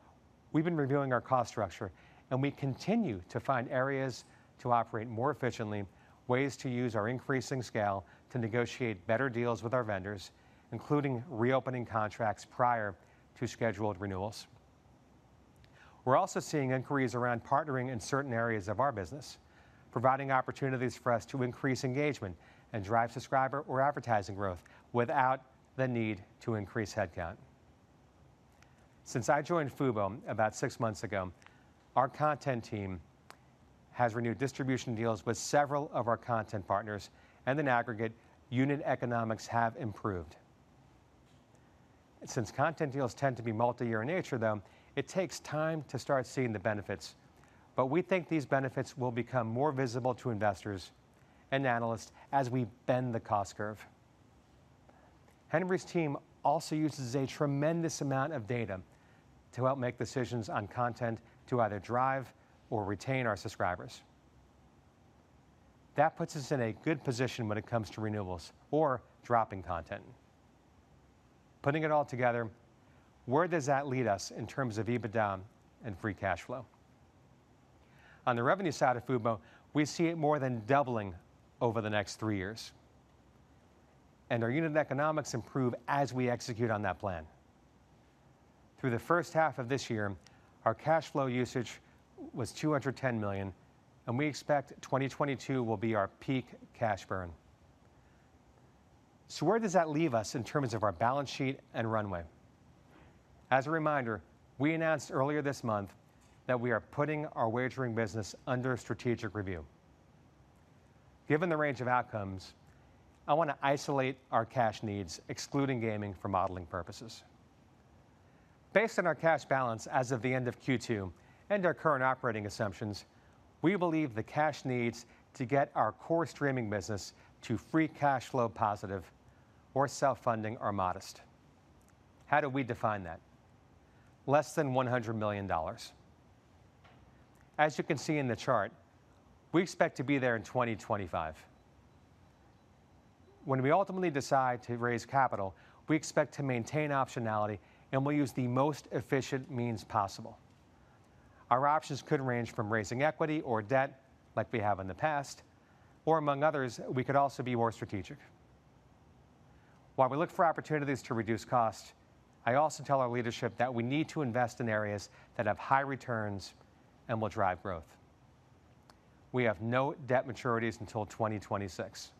we've been reviewing our cost structure, and we continue to find areas to operate more efficiently, ways to use our increasing scale to negotiate better deals with our vendors, including reopening contracts prior to scheduled renewals. We're also seeing inquiries around partnering in certain areas of our business, providing opportunities for us to increase engagement and drive subscriber or advertising growth without the need to increase headcount. Since I joined Fubo about six months ago, our content team has renewed distribution deals with several of our content partners, and in aggregate, unit economics have improved. Since content deals tend to be multi-year in nature, though, it takes time to start seeing the benefits. We think these benefits will become more visible to investors and analysts as we bend the cost curve. Henry's team also uses a tremendous amount of data to help make decisions on content to either drive or retain our subscribers. That puts us in a good position when it comes to renewals or dropping content. Putting it all together, where does that lead us in terms of EBITDA and free cash flow? On the revenue side of Fubo, we see it more than doubling over the next three years, and our unit economics improve as we execute on that plan. Through the first half of this year, our cash flow usage was $210 million, and we expect 2022 will be our peak cash burn. Where does that leave us in terms of our balance sheet and runway? As a reminder, we announced earlier this month that we are putting our wagering business under strategic review. Given the range of outcomes, I want to isolate our cash needs, excluding gaming for modeling purposes. Based on our cash balance as of the end of Q2 and our current operating assumptions, we believe the cash needs to get our core streaming business to free cash flow positive or self-funding are modest. How do we define that? Less than $100 million. As you can see in the chart, we expect to be there in 2025. When we ultimately decide to raise capital, we expect to maintain optionality, and we'll use the most efficient means possible. Our options could range from raising equity or debt like we have in the past, or among others, we could also be more strategic. While we look for opportunities to reduce cost, I also tell our leadership that we need to invest in areas that have high returns and will drive growth. We have no debt maturities until 2026.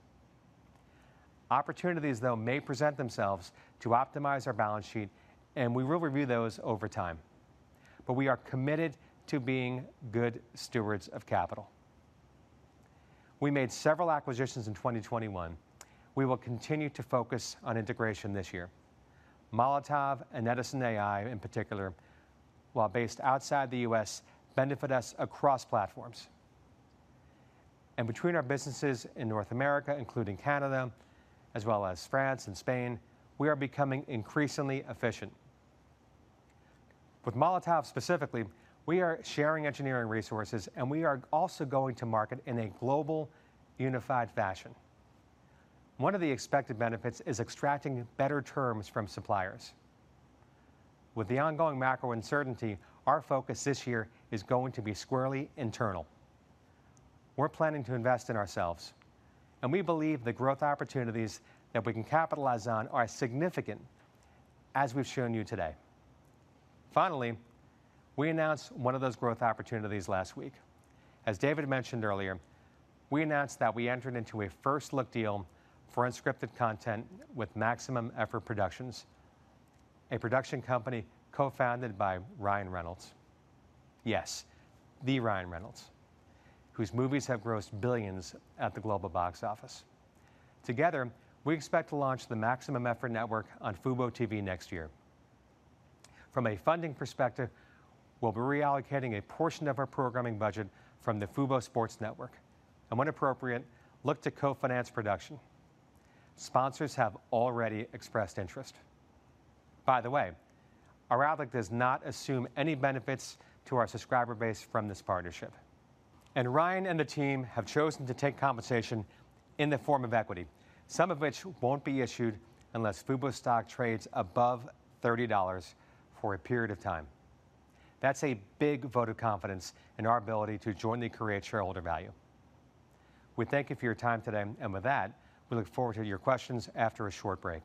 Opportunities, though, may present themselves to optimize our balance sheet, and we will review those over time. We are committed to being good stewards of capital. We made several acquisitions in 2021. We will continue to focus on integration this year. Molotov and Edisn.ai, in particular, while based outside the U.S., benefit us across platforms. Between our businesses in North America, including Canada, as well as France and Spain, we are becoming increasingly efficient. With Molotov specifically, we are sharing engineering resources, and we are also going to market in a global, unified fashion. One of the expected benefits is extracting better terms from suppliers. With the ongoing macro uncertainty, our focus this year is going to be squarely internal. We're planning to invest in ourselves, and we believe the growth opportunities that we can capitalize on are significant, as we've shown you today. Finally, we announced one of those growth opportunities last week. As David mentioned earlier, we announced that we entered into a first look deal for unscripted content with Maximum Effort Productions, a production company co-founded by Ryan Reynolds. Yes, the Ryan Reynolds, whose movies have grossed billions at the global box office. Together, we expect to launch the Maximum Effort Channel on FuboTV next year. From a funding perspective, we'll be reallocating a portion of our programming budget from the Fubo Sports Network and when appropriate, look to co-finance production. Sponsors have already expressed interest. By the way, our outlook does not assume any benefits to our subscriber base from this partnership. Ryan and the team have chosen to take compensation in the form of equity, some of which won't be issued unless Fubo stock trades above $30 for a period of time. That's a big vote of confidence in our ability to jointly create shareholder value. We thank you for your time today, and with that, we look forward to your questions after a short break.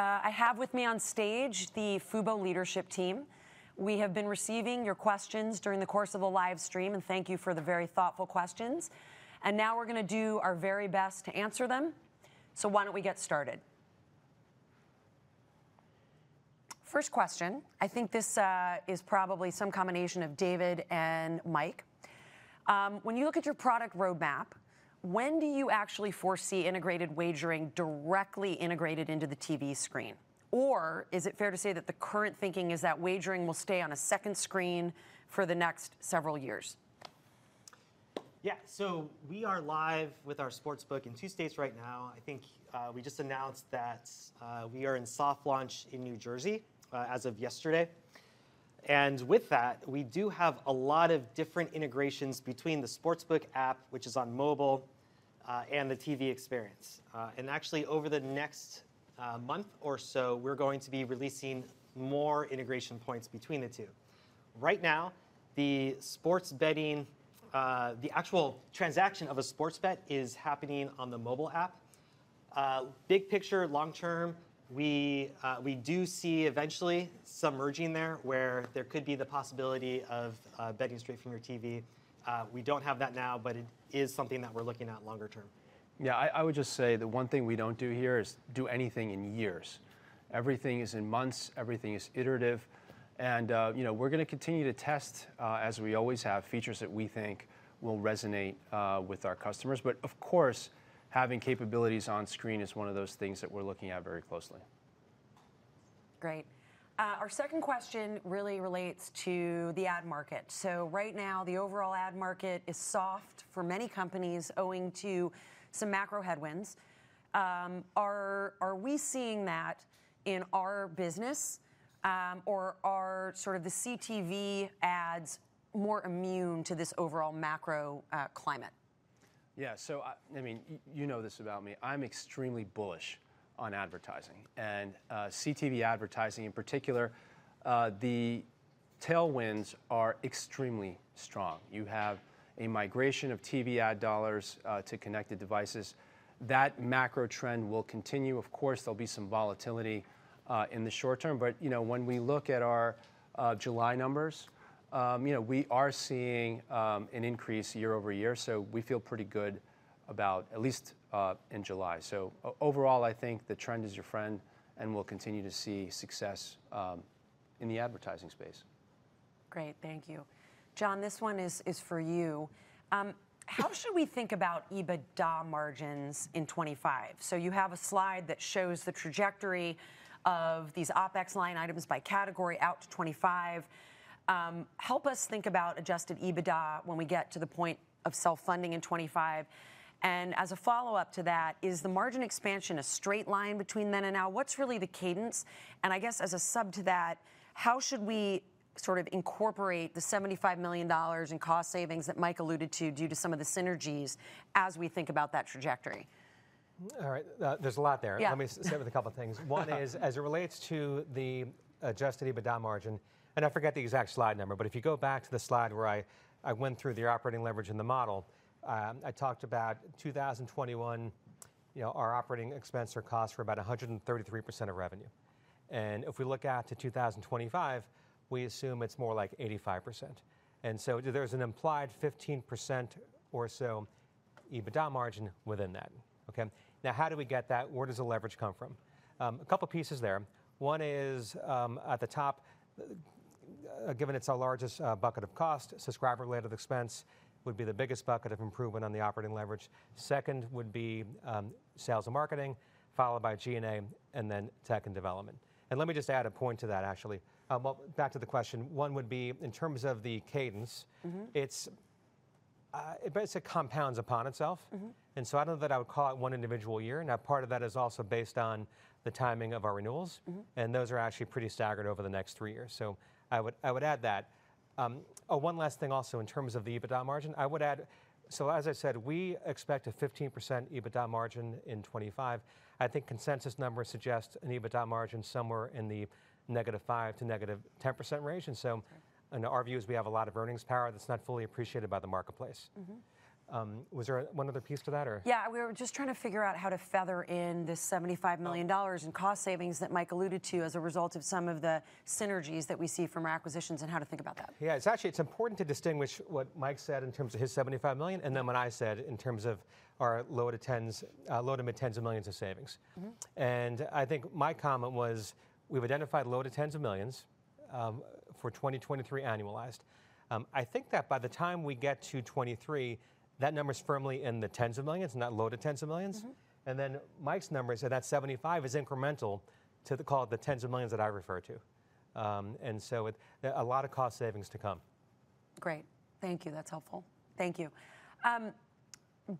Welcome back. I have with me on stage the Fubo leadership team. We have been receiving your questions during the course of the live stream, and thank you for the very thoughtful questions. Now we're gonna do our very best to answer them. Why don't we get started? First question. I think this is probably some combination of David and Mike. When you look at your product roadmap, when do you actually foresee integrated wagering directly integrated into the TV screen? Or is it fair to say that the current thinking is that wagering will stay on a second screen for the next several years? Yeah. We are live with our sportsbook in two states right now. I think, we just announced that, we are in soft launch in New Jersey, as of yesterday. With that, we do have a lot of different integrations between the sportsbook app, which is on mobile, and the TV experience. Actually over the next, month or so, we're going to be releasing more integration points between the two. Right now, the sports betting, the actual transaction of a sports bet is happening on the mobile app. Big picture, long term, we do see eventually some merging there where there could be the possibility of, betting straight from your TV. We don't have that now, but it is something that we're looking at longer term. Yeah, I would just say the one thing we don't do here is do anything in years. Everything is in months. Everything is iterative. You know, we're gonna continue to test as we always have, features that we think will resonate with our customers. Of course, having capabilities on screen is one of those things that we're looking at very closely. Great. Our second question really relates to the ad market. Right now the overall ad market is soft for many companies owing to some macro headwinds. Are we seeing that in our business, or are sort of the CTV ads more immune to this overall macro climate? Yeah. I mean you know this about me. I'm extremely bullish on advertising and CTV advertising in particular, the tailwinds are extremely strong. You have a migration of TV ad dollars to connected devices. That macro trend will continue. Of course, there'll be some volatility in the short term, but you know, when we look at our July numbers, you know, we are seeing an increase year-over-year, so we feel pretty good about at least in July. Overall, I think the trend is your friend, and we'll continue to see success in the advertising space. Great. Thank you. John, this one is for you. How should we think about EBITDA margins in 2025? You have a slide that shows the trajectory of these OpEx line items by category out to 2025. Help us think about adjusted EBITDA when we get to the point of self-funding in 2025. As a follow-up to that, is the margin expansion a straight line between then and now? What's really the cadence? I guess as a sub to that, how should we sort of incorporate the $75 million in cost savings that Mike alluded to due to some of the synergies as we think about that trajectory? All right. There's a lot there. Yeah. Let me start with a couple things. One is, as it relates to the adjusted EBITDA margin, and I forget the exact slide number, but if you go back to the slide where I went through the operating leverage in the model, I talked about 2021, you know, our operating expense or cost were about 133% of revenue. If we look out to 2025, we assume it's more like 85%. There's an implied 15% or so EBITDA margin within that. Okay. Now how do we get that? Where does the leverage come from? A couple pieces there. One is, at the top, given it's our largest bucket of cost, subscriber related expense would be the biggest bucket of improvement on the operating leverage. Second would be, sales and marketing, followed by G&A, and then tech and development. Let me just add a point to that actually. Well, back to the question. One would be in terms of the cadence- Mm-hmm It basically compounds upon itself. Mm-hmm. I don't know that I would call it one individual year. Now part of that is also based on the timing of our renewals. Mm-hmm. Those are actually pretty staggered over the next three years. I would add that. One last thing also in terms of the EBITDA margin, I would add, as I said, we expect a 15% EBITDA margin in 2025. I think consensus numbers suggest an EBITDA margin somewhere in the -5% to -10% range. Okay In our view is we have a lot of earnings power that's not fully appreciated by the marketplace. Mm-hmm. Was there one other piece to that or? Yeah. We were just trying to figure out how to factor in the $75 million in cost savings that Mike alluded to as a result of some of the synergies that we see from our acquisitions and how to think about that. Yeah. It's actually, it's important to distinguish what Mike said in terms of his $75 million, and then what I said in terms of our low- to mid-tens of millions of savings. Mm-hmm. I think my comment was we've identified low to tens of millions for 2023 annualized. I think that by the time we get to 2023, that number's firmly in the tens of millions, not low to tens of millions. Mm-hmm. Mike's number, so that 75 is incremental to the, call it, the tens of millions that I referred to. A lot of cost savings to come. Great. Thank you. That's helpful. Thank you.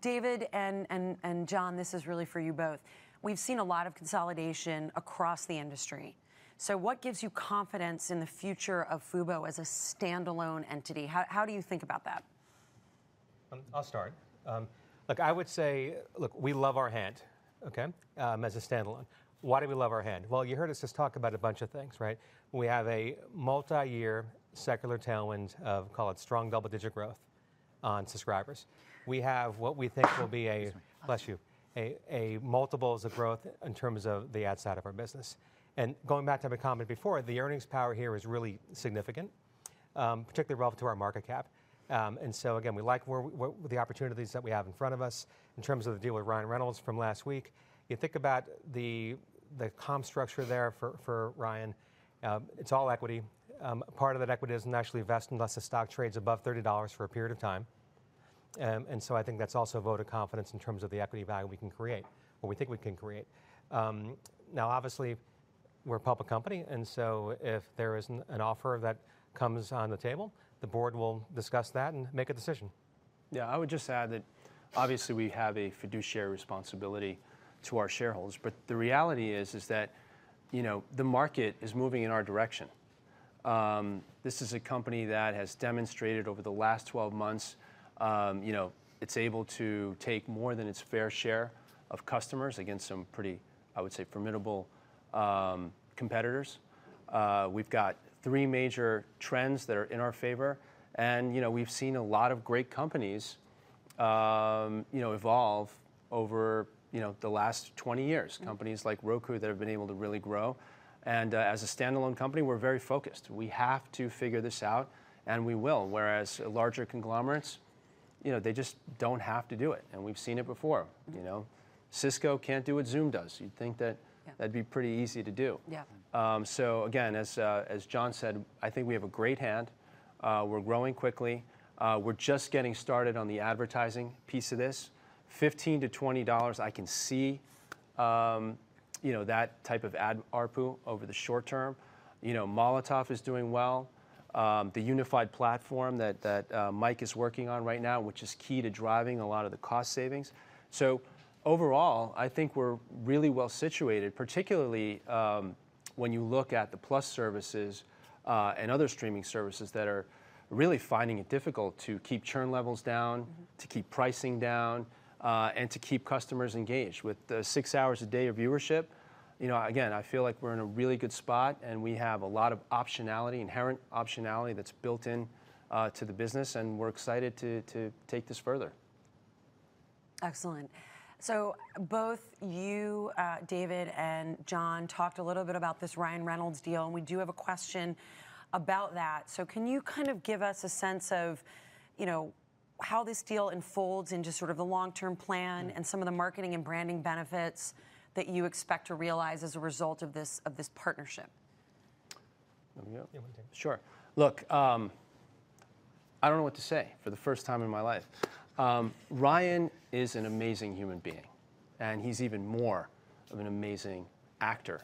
David and John, this is really for you both. We've seen a lot of consolidation across the industry, so what gives you confidence in the future of Fubo as a standalone entity? How do you think about that? I'll start. Look, I would say, look, we love our hand, okay? As a standalone. Why do we love our hand? Well, you heard us just talk about a bunch of things, right? We have a multi-year secular tailwind of, call it, strong double-digit growth on subscribers. We have what we think will be a- Excuse me. A multiple of growth in terms of the ad side of our business. Going back to my comment before, the earnings power here is really significant, particularly relevant to our market cap. Again, we like what the opportunities that we have in front of us in terms of the deal with Ryan Reynolds from last week. You think about the comp structure there for Ryan, it's all equity. Part of that equity doesn't actually vest unless the stock trades above $30 for a period of time. I think that's also a vote of confidence in terms of the equity value we can create, or we think we can create. Now obviously we're a public company, and so if there is an offer that comes on the table, the board will discuss that and make a decision. Yeah. I would just add that obviously we have a fiduciary responsibility to our shareholders, but the reality is that, you know, the market is moving in our direction. This is a company that has demonstrated over the last 12 months, you know, it's able to take more than its fair share of customers against some pretty, I would say, formidable competitors. We've got three major trends that are in our favor and, you know, we've seen a lot of great companies, you know, evolve over, you know, the last 20 years. Mm-hmm. Companies like Roku that have been able to really grow. As a standalone company, we're very focused. We have to figure this out, and we will. Whereas larger conglomerates, you know, they just don't have to do it, and we've seen it before, you know? Cisco can't do what Zoom does. You'd think that. Yeah That'd be pretty easy to do. Yeah. Again, as John said, I think we have a great hand. We're growing quickly. We're just getting started on the advertising piece of this. $15-$20, I can see. You know, that type of ad ARPU over the short term. You know, Molotov is doing well. The unified platform that Mike is working on right now, which is key to driving a lot of the cost savings. Overall, I think we're really well situated, particularly, when you look at the Plus services, and other streaming services that are really finding it difficult to keep churn levels down. Mm-hmm To keep pricing down, and to keep customers engaged. With the six hours a day of viewership, you know, again, I feel like we're in a really good spot, and we have a lot of optionality, inherent optionality that's built in, to the business, and we're excited to take this further. Excellent. Both you, David and John talked a little bit about this Ryan Reynolds deal, and we do have a question about that. Can you kind of give us a sense of, you know, how this deal unfolds into sort of the long-term plan? Mm-hmm some of the marketing and branding benefits that you expect to realize as a result of this partnership? You want me to? You want to take it? Sure. Look, I don't know what to say for the first time in my life. Ryan is an amazing human being, and he's even more of an amazing actor.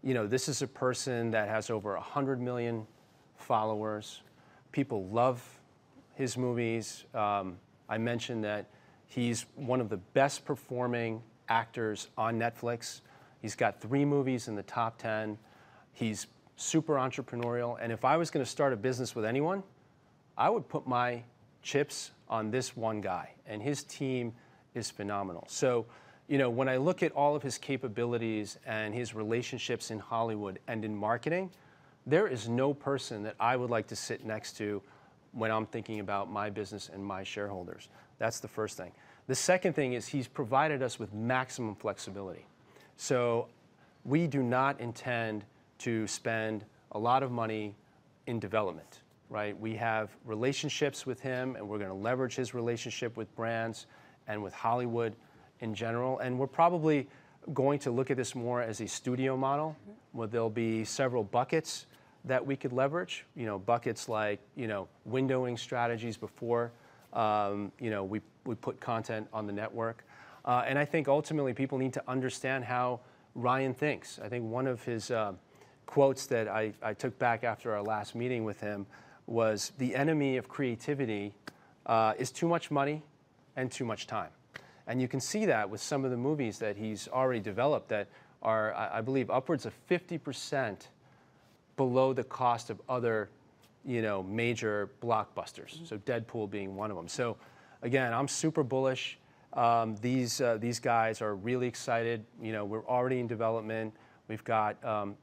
You know, this is a person that has over 100 million followers. People love his movies. I mentioned that he's one of the best performing actors on Netflix. He's got three movies in the top 10. He's super entrepreneurial, and if I was gonna start a business with anyone, I would put my chips on this one guy, and his team is phenomenal. You know, when I look at all of his capabilities and his relationships in Hollywood and in marketing, there is no person that I would like to sit next to when I'm thinking about my business and my shareholders. That's the first thing. The second thing is he's provided us with maximum flexibility. We do not intend to spend a lot of money in development, right? We have relationships with him, and we're gonna leverage his relationship with brands and with Hollywood in general, and we're probably going to look at this more as a studio model. Mm-hmm where there'll be several buckets that we could leverage. You know, buckets like, you know, windowing strategies before we put content on the network. I think ultimately people need to understand how Ryan thinks. I think one of his quotes that I took back after our last meeting with him was, "The enemy of creativity is too much money and too much time." You can see that with some of the movies that he's already developed that are, I believe upwards of 50% below the cost of other, you know, major blockbusters. Mm-hmm. Deadpool being one of them. Again, I'm super bullish. These guys are really excited. You know, we're already in development. We've got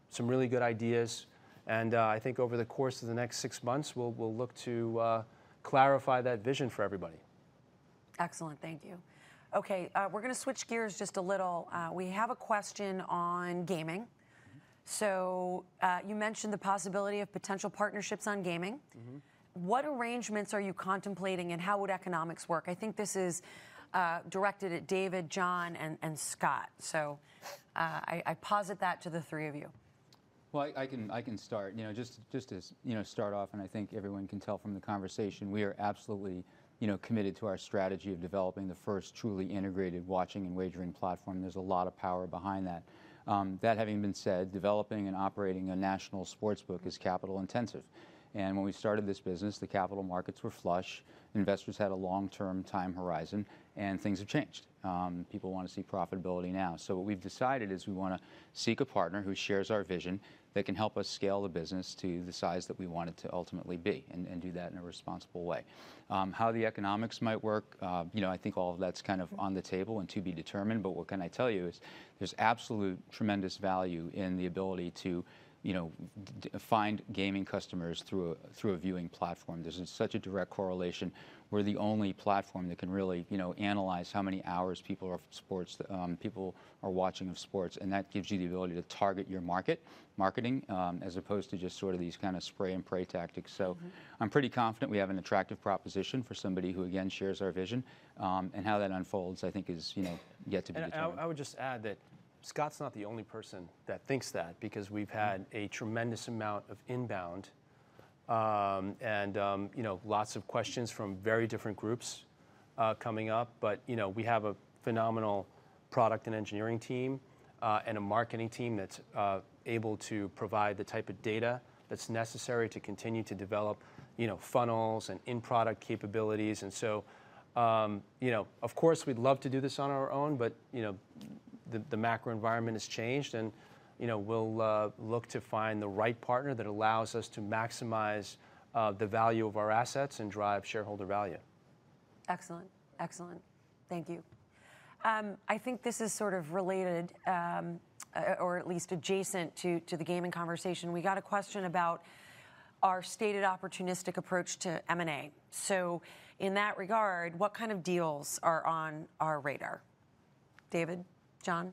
some really good ideas, and I think over the course of the next six months, we'll look to clarify that vision for everybody. Excellent. Thank you. Okay, we're gonna switch gears just a little. We have a question on gaming. Mm-hmm. You mentioned the possibility of potential partnerships on gaming. Mm-hmm. What arrangements are you contemplating, and how would economics work? I think this is directed at David, John, and Scott. I posit that to the three of you. Well, I can start. You know, just as, you know, start off, and I think everyone can tell from the conversation, we are absolutely, you know, committed to our strategy of developing the first truly integrated watching and wagering platform. There's a lot of power behind that. That having been said, developing and operating a national sportsbook is capital intensive, and when we started this business, the capital markets were flush, investors had a long-term time horizon, and things have changed. People wanna see profitability now. What we've decided is we wanna seek a partner who shares our vision, that can help us scale the business to the size that we want it to ultimately be and do that in a responsible way. How the economics might work, you know, I think all of that's kind of on the table and to be determined, but what can I tell you is there's absolute tremendous value in the ability to, you know, to find gaming customers through a, through a viewing platform. There's such a direct correlation. We're the only platform that can really, you know, analyze how many hours people are watching of sports, and that gives you the ability to target your market, marketing, as opposed to just sort of these kind of spray and pray tactics. Mm-hmm I'm pretty confident we have an attractive proposition for somebody who again, shares our vision. How that unfolds I think is, you know, yet to be determined. I would just add that Scott's not the only person that thinks that because we've had a tremendous amount of inbound, and you know, lots of questions from very different groups coming up. You know, we have a phenomenal product and engineering team, and a marketing team that's able to provide the type of data that's necessary to continue to develop, you know, funnels and in-product capabilities. You know, of course, we'd love to do this on our own, but you know, the macro environment has changed, and you know, we'll look to find the right partner that allows us to maximize the value of our assets and drive shareholder value. Excellent. Thank you. I think this is sort of related, or at least adjacent to the gaming conversation. We got a question about our stated opportunistic approach to M&A. In that regard, what kind of deals are on our radar? David? John?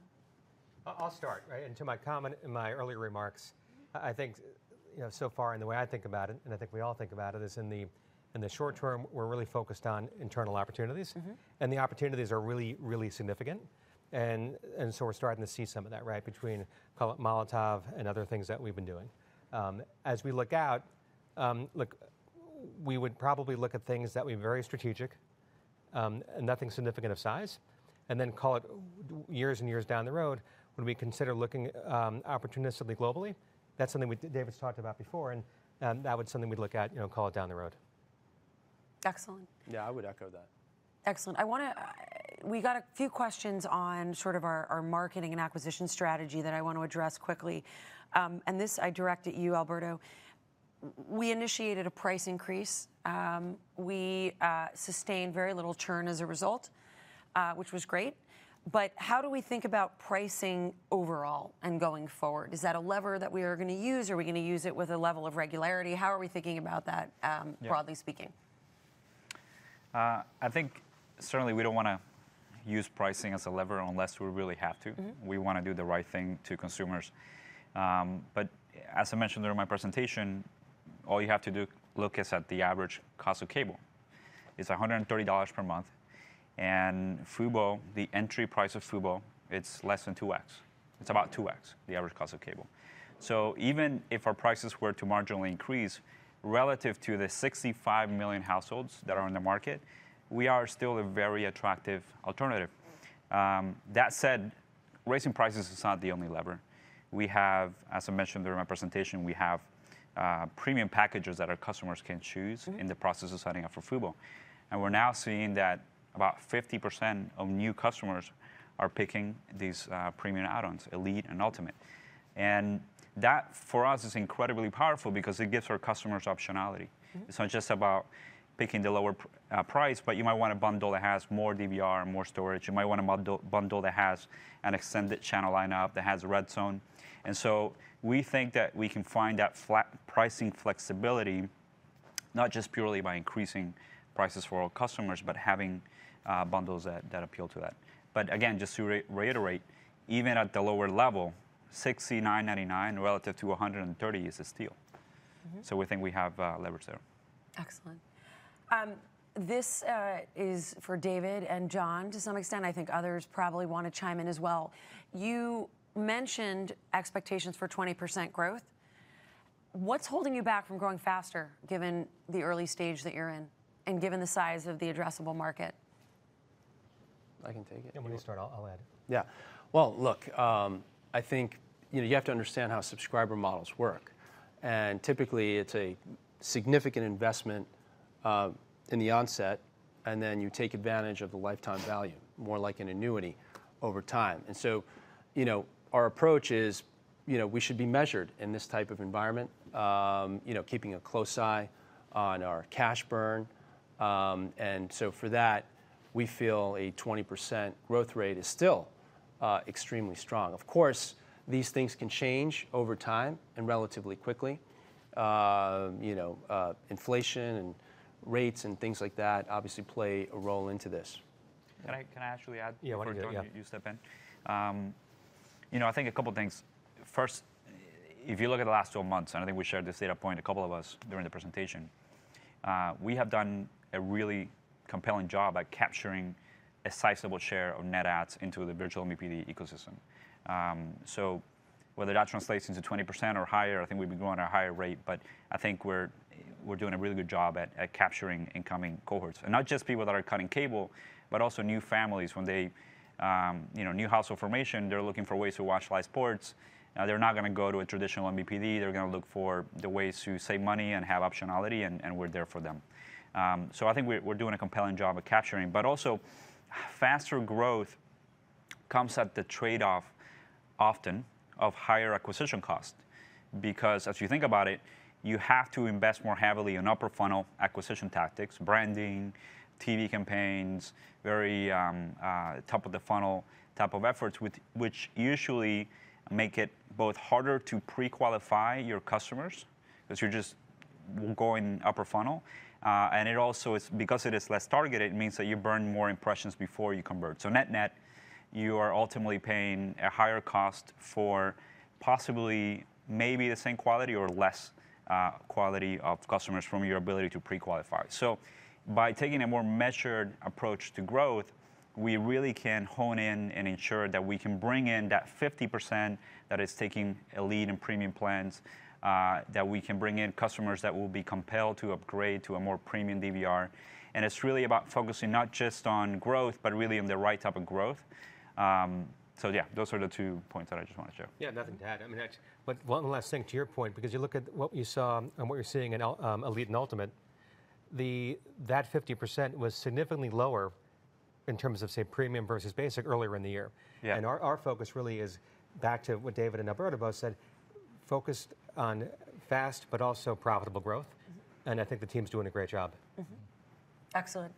I'll start, right? To my comment in my earlier remarks. Mm-hmm I think, you know, so far in the way I think about it, and I think we all think about it, is in the short term, we're really focused on internal opportunities. Mm-hmm. The opportunities are really, really significant. We're starting to see some of that, right? Between Molotov and other things that we've been doing. As we look out. We would probably look at things that we're very strategic, and nothing significant of size, and then call it years and years down the road would we consider looking opportunistically globally. That's something David Gandler's talked about before, and that was something we'd look at, you know, call it down the road. Excellent. Yeah, I would echo that. Excellent. We got a few questions on sort of our marketing and acquisition strategy that I want to address quickly. This I direct at you, Alberto. We initiated a price increase. We sustained very little churn as a result, which was great. How do we think about pricing overall and going forward? Is that a lever that we are gonna use? Are we gonna use it with a level of regularity? How are we thinking about that? Yeah Broadly speaking? I think certainly we don't wanna use pricing as a lever unless we really have to. Mm-hmm. We wanna do the right thing to consumers. As I mentioned during my presentation, all you have to do is look at the average cost of cable. It's $130 per month, and Fubo, the entry price of Fubo, it's less than 2x. It's about 2x the average cost of cable. Even if our prices were to marginally increase relative to the 65 million households that are in the market, we are still a very attractive alternative. That said, raising prices is not the only lever. We have, as I mentioned during my presentation, premium packages that our customers can choose- Mm-hmm In the process of signing up for Fubo. We're now seeing that about 50% of new customers are picking these premium add-ons, Elite and Ultimate. That, for us, is incredibly powerful because it gives our customers optionality. Mm-hmm. It's not just about picking the lower price, but you might want a bundle that has more DVR and more storage. You might want a bundle that has an extended channel lineup, that has RedZone. We think that we can find that pricing flexibility not just purely by increasing prices for all customers, but having bundles that appeal to that. Again, just to reiterate, even at the lower level, $69.99 relative to $130 is a steal. Mm-hmm. We think we have levers there. Excellent. This is for David and John. To some extent, I think others probably wanna chime in as well. You mentioned expectations for 20% growth. What's holding you back from growing faster given the early stage that you're in and given the size of the addressable market? I can take it. Yeah, when you start, I'll add. Yeah. Well, look, I think, you know, you have to understand how subscriber models work, and typically, it's a significant investment in the onset, and then you take advantage of the lifetime value, more like an annuity over time. You know, our approach is, you know, we should be measured in this type of environment, you know, keeping a close eye on our cash burn. For that, we feel a 20% growth rate is still extremely strong. Of course, these things can change over time and relatively quickly. You know, inflation and rates and things like that obviously play a role in this. Can I actually add before- Yeah, why don't you? Yeah John, you step in? You know, I think a couple things. First, if you look at the last 12 months, I think we shared this data point, a couple of us, during the presentation, we have done a really compelling job at capturing a sizable share of net adds into the virtual MVPD ecosystem. So whether that translates into 20% or higher, I think we've been growing at a higher rate, but I think we're doing a really good job at capturing incoming cohorts. Not just people that are cutting cable, but also new families when they, you know, new household formation, they're looking for ways to watch live sports. They're not gonna go to a traditional MVPD. They're gonna look for the ways to save money and have optionality, and we're there for them. I think we're doing a compelling job at capturing. Also, faster growth comes at the trade-off often of higher acquisition cost because as you think about it, you have to invest more heavily in upper funnel acquisition tactics, branding, TV campaigns, very top of the funnel type of efforts which usually make it both harder to pre-qualify your customers 'cause you're just going upper funnel. It also is because it is less targeted, it means that you burn more impressions before you convert. Net-net, you are ultimately paying a higher cost for possibly maybe the same quality or less quality of customers from your ability to pre-qualify. By taking a more measured approach to growth, we really can hone in and ensure that we can bring in that 50% that is taking Elite and Premium plans, that we can bring in customers that will be compelled to upgrade to a more premium DVR. It's really about focusing not just on growth, but really on the right type of growth. Yeah, those are the two points that I just wanted to share. Yeah, nothing to add. I mean, actually, one last thing to your point, because you look at what you saw and what you're seeing in Elite and Ultimate, that 50% was significantly lower in terms of, say, Premium versus Basic earlier in the year. Yeah. Our focus really is back to what David and Alberto both said, focused on fast but also profitable growth. Mm-hmm. I think the team's doing a great job. Excellent.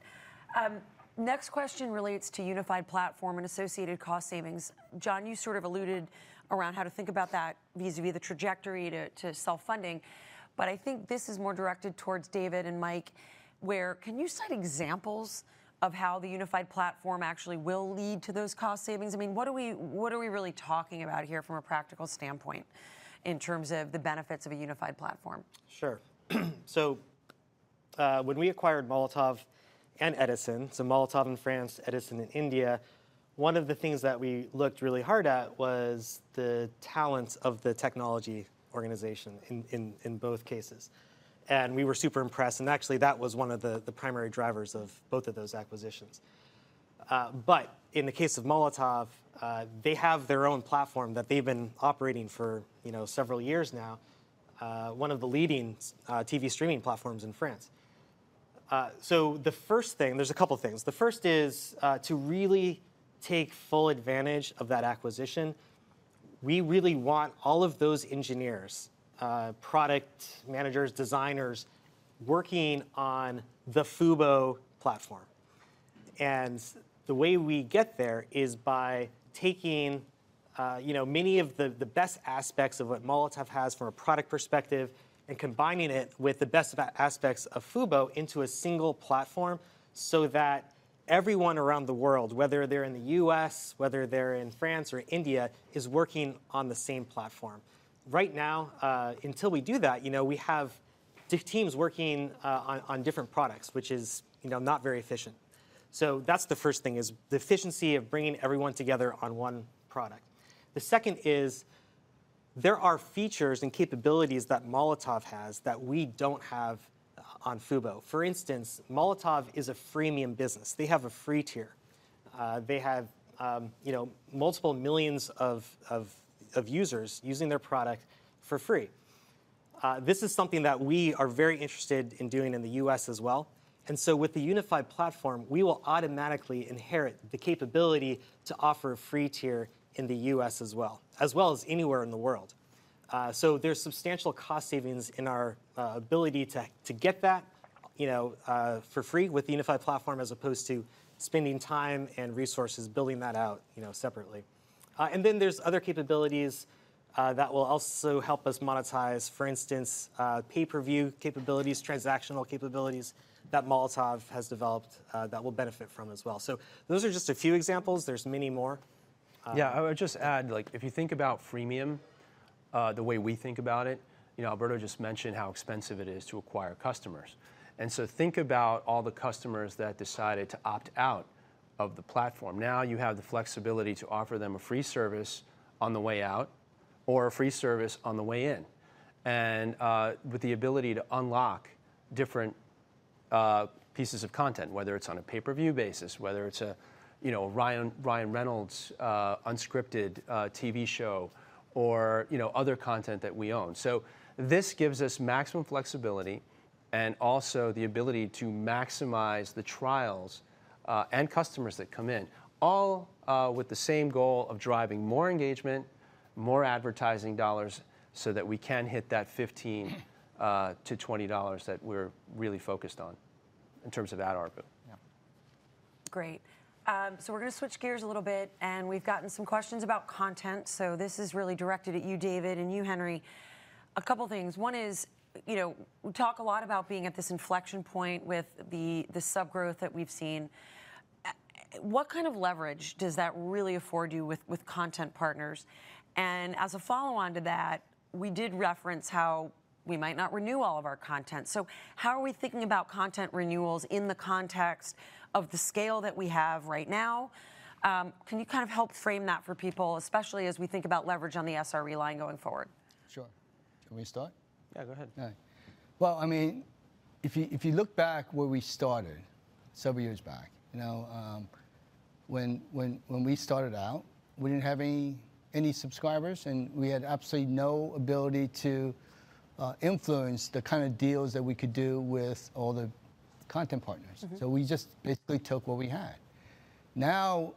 Next question relates to unified platform and associated cost savings. John, you sort of alluded around how to think about that vis-à-vis the trajectory to self-funding, but I think this is more directed towards David and Mike. Where can you cite examples of how the unified platform actually will lead to those cost savings? I mean, what are we really talking about here from a practical standpoint in terms of the benefits of a unified platform? Sure. When we acquired Molotov and Edisn.ai, Molotov in France, Edisn.ai in India. One of the things that we looked really hard at was the talents of the technology organization in both cases, and we were super impressed, and actually, that was one of the primary drivers of both of those acquisitions. But in the case of Molotov, they have their own platform that they've been operating for, you know, several years now, one of the leading TV streaming platforms in France. The first thing. There's a couple things. The first is to really take full advantage of that acquisition, we really want all of those engineers, product managers, designers working on the Fubo platform. The way we get there is by taking, you know, many of the best aspects of what Molotov has from a product perspective and combining it with the best aspects of Fubo into a single platform so that everyone around the world, whether they're in the U.S., whether they're in France or India, is working on the same platform. Right now, until we do that, you know, we have teams working on different products, which is, you know, not very efficient. That's the first thing, is the efficiency of bringing everyone together on one product. The second is there are features and capabilities that Molotov has that we don't have on Fubo. For instance, Molotov is a freemium business. They have a free tier. They have, you know, multiple millions of users using their product for free. This is something that we are very interested in doing in the U.S. as well, and so with the unified platform, we will automatically inherit the capability to offer a free tier in the U.S. as well as anywhere in the world. There's substantial cost savings in our ability to get that, you know, for free with the unified platform as opposed to spending time and resources building that out, you know, separately. There's other capabilities that will also help us monetize, for instance, pay-per-view capabilities, transactional capabilities that Molotov has developed that we'll benefit from as well. Those are just a few examples. There's many more. Yeah, I would just add, like if you think about freemium, the way we think about it, you know, Alberto just mentioned how expensive it is to acquire customers, and so think about all the customers that decided to opt out of the platform. Now you have the flexibility to offer them a free service on the way out or a free service on the way in, and with the ability to unlock different pieces of content, whether it's on a pay-per-view basis, whether it's a, you know, Ryan Reynolds' unscripted TV show or, you know, other content that we own. This gives us maximum flexibility and also the ability to maximize the trials and customers that come in, all with the same goal of driving more engagement, more advertising dollars so that we can hit that $15-$20 that we're really focused on in terms of ad ARPU. Yeah. Great. So we're gonna switch gears a little bit, and we've gotten some questions about content, so this is really directed at you, David, and you, Henry. A couple things. One is, you know, we talk a lot about being at this inflection point with the sub growth that we've seen. What kind of leverage does that really afford you with content partners? And as a follow-on to that, we did reference how we might not renew all of our content, so how are we thinking about content renewals in the context of the scale that we have right now? Can you kind of help frame that for people, especially as we think about leverage on the SRE line going forward? Sure. Can we start? Yeah, go ahead. All right. Well, I mean, if you look back where we started several years back, you know, when we started out, we didn't have any subscribers, and we had absolutely no ability to influence the kinda deals that we could do with all the content partners. Mm-hmm. We just basically took what we had. Now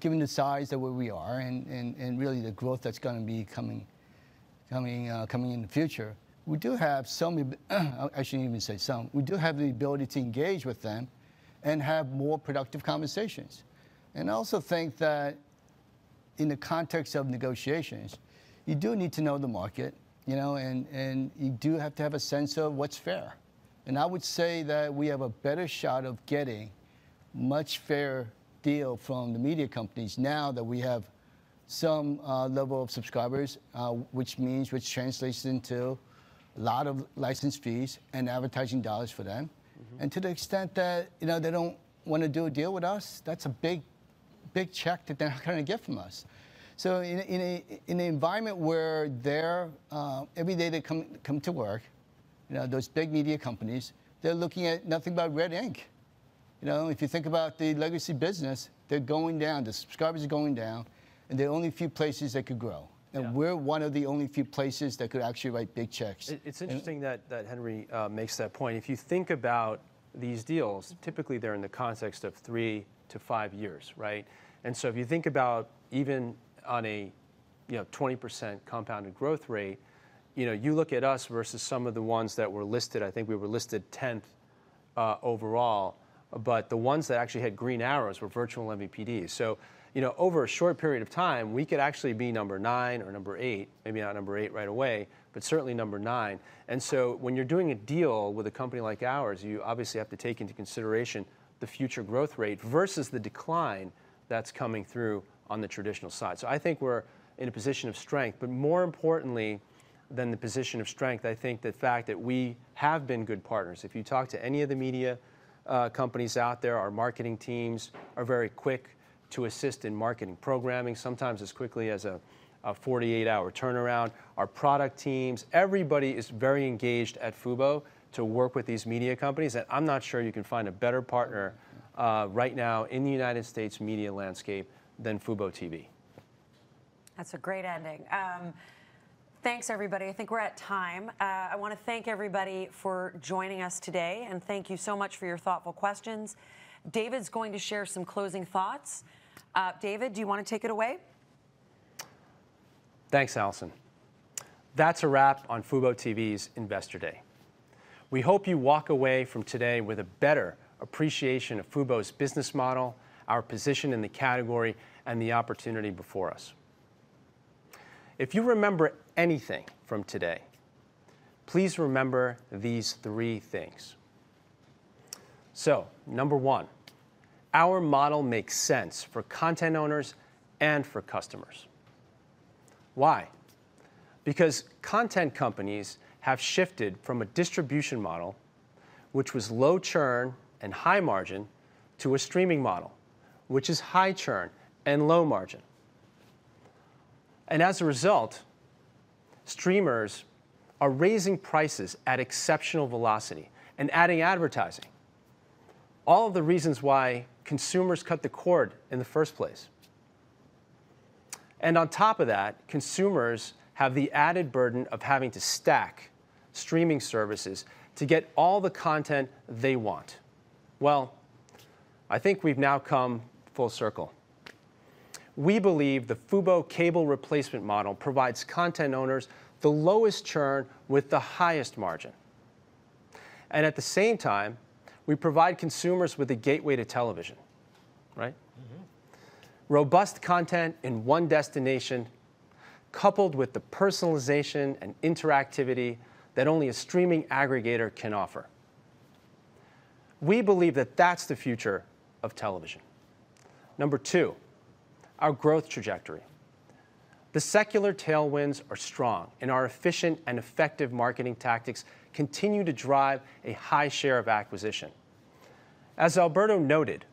given the size of where we are and really the growth that's gonna be coming in the future, we do have some. I shouldn't even say some. We do have the ability to engage with them and have more productive conversations. I also think that in the context of negotiations, you do need to know the market, you know, and you do have to have a sense of what's fair. I would say that we have a better shot of getting a much fairer deal from the media companies now that we have some level of subscribers, which means, which translates into a lot of license fees and advertising dollars for them. Mm-hmm. To the extent that, you know, they don't wanna do a deal with us, that's a big, big check that they're gonna get from us. In an environment where they're every day they come to work, you know, those big media companies, they're looking at nothing but red ink. You know, if you think about the legacy business, they're going down. The subscribers are going down, and there are only a few places that could grow. Yeah. We're one of the only few places that could actually write big checks. It's interesting that Henry makes that point. If you think about these deals, typically they're in the context of 3-5 years, right? If you think about even on a you know 20% compounded growth rate, you know, you look at us versus some of the ones that were listed, I think we were listed 10th overall, but the ones that actually had green arrows were virtual MVPDs. You know, over a short period of time, we could actually be number nine or number eight, maybe not number eight right away, but certainly number 9. When you're doing a deal with a company like ours, you obviously have to take into consideration the future growth rate versus the decline that's coming through on the traditional side. I think we're in a position of strength. More importantly than the position of strength, I think the fact that we have been good partners. If you talk to any of the media companies out there, our marketing teams are very quick to assist in marketing programming, sometimes as quickly as a 48 hour turnaround. Our product teams, everybody is very engaged at FuboTV to work with these media companies, and I'm not sure you can find a better partner right now in the United States media landscape than FuboTV. That's a great ending. Thanks everybody. I think we're at time. I wanna thank everybody for joining us today, and thank you so much for your thoughtful questions. David's going to share some closing thoughts. David, do you wanna take it away? Thanks, Alison. That's a wrap on FuboTV's Investor Day. We hope you walk away from today with a better appreciation of Fubo's business model, our position in the category, and the opportunity before us. If you remember anything from today, please remember these three things. Number one, our model makes sense for content owners and for customers. Why? Because content companies have shifted from a distribution model, which was low churn and high margin, to a streaming model, which is high churn and low margin. As a result, streamers are raising prices at exceptional velocity and adding advertising. All of the reasons why consumers cut the cord in the first place. On top of that, consumers have the added burden of having to stack streaming services to get all the content they want. Well, I think we've now come full circle. We believe the Fubo cable replacement model provides content owners the lowest churn with the highest margin, and at the same time, we provide consumers with a gateway to television, right? Mm-hmm. Robust content in one destination, coupled with the personalization and interactivity that only a streaming aggregator can offer. We believe that that's the future of television. Number two, our growth trajectory. The secular tailwinds are strong, and our efficient and effective marketing tactics continue to drive a high share of acquisition. As Alberto noted,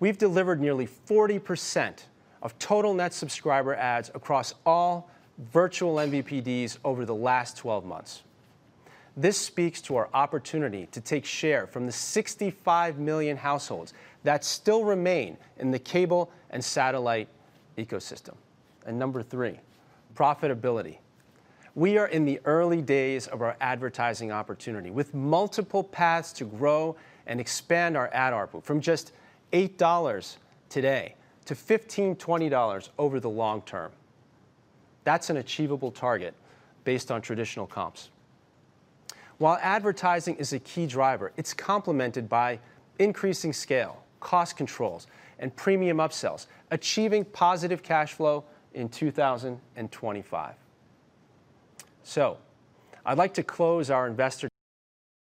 we've delivered nearly 40% of total net subscriber adds across all virtual MVPDs over the last 12 months. This speaks to our opportunity to take share from the 65 million households that still remain in the cable and satellite ecosystem. Number three, profitability. We are in the early days of our advertising opportunity, with multiple paths to grow and expand our ad ARPU from just $8 today to $15-$20 over the long term. That's an achievable target based on traditional comps. While advertising is a key driver, it's complemented by increasing scale, cost controls, and premium upsells, achieving positive cash flow in 2025. I'd like to close our investor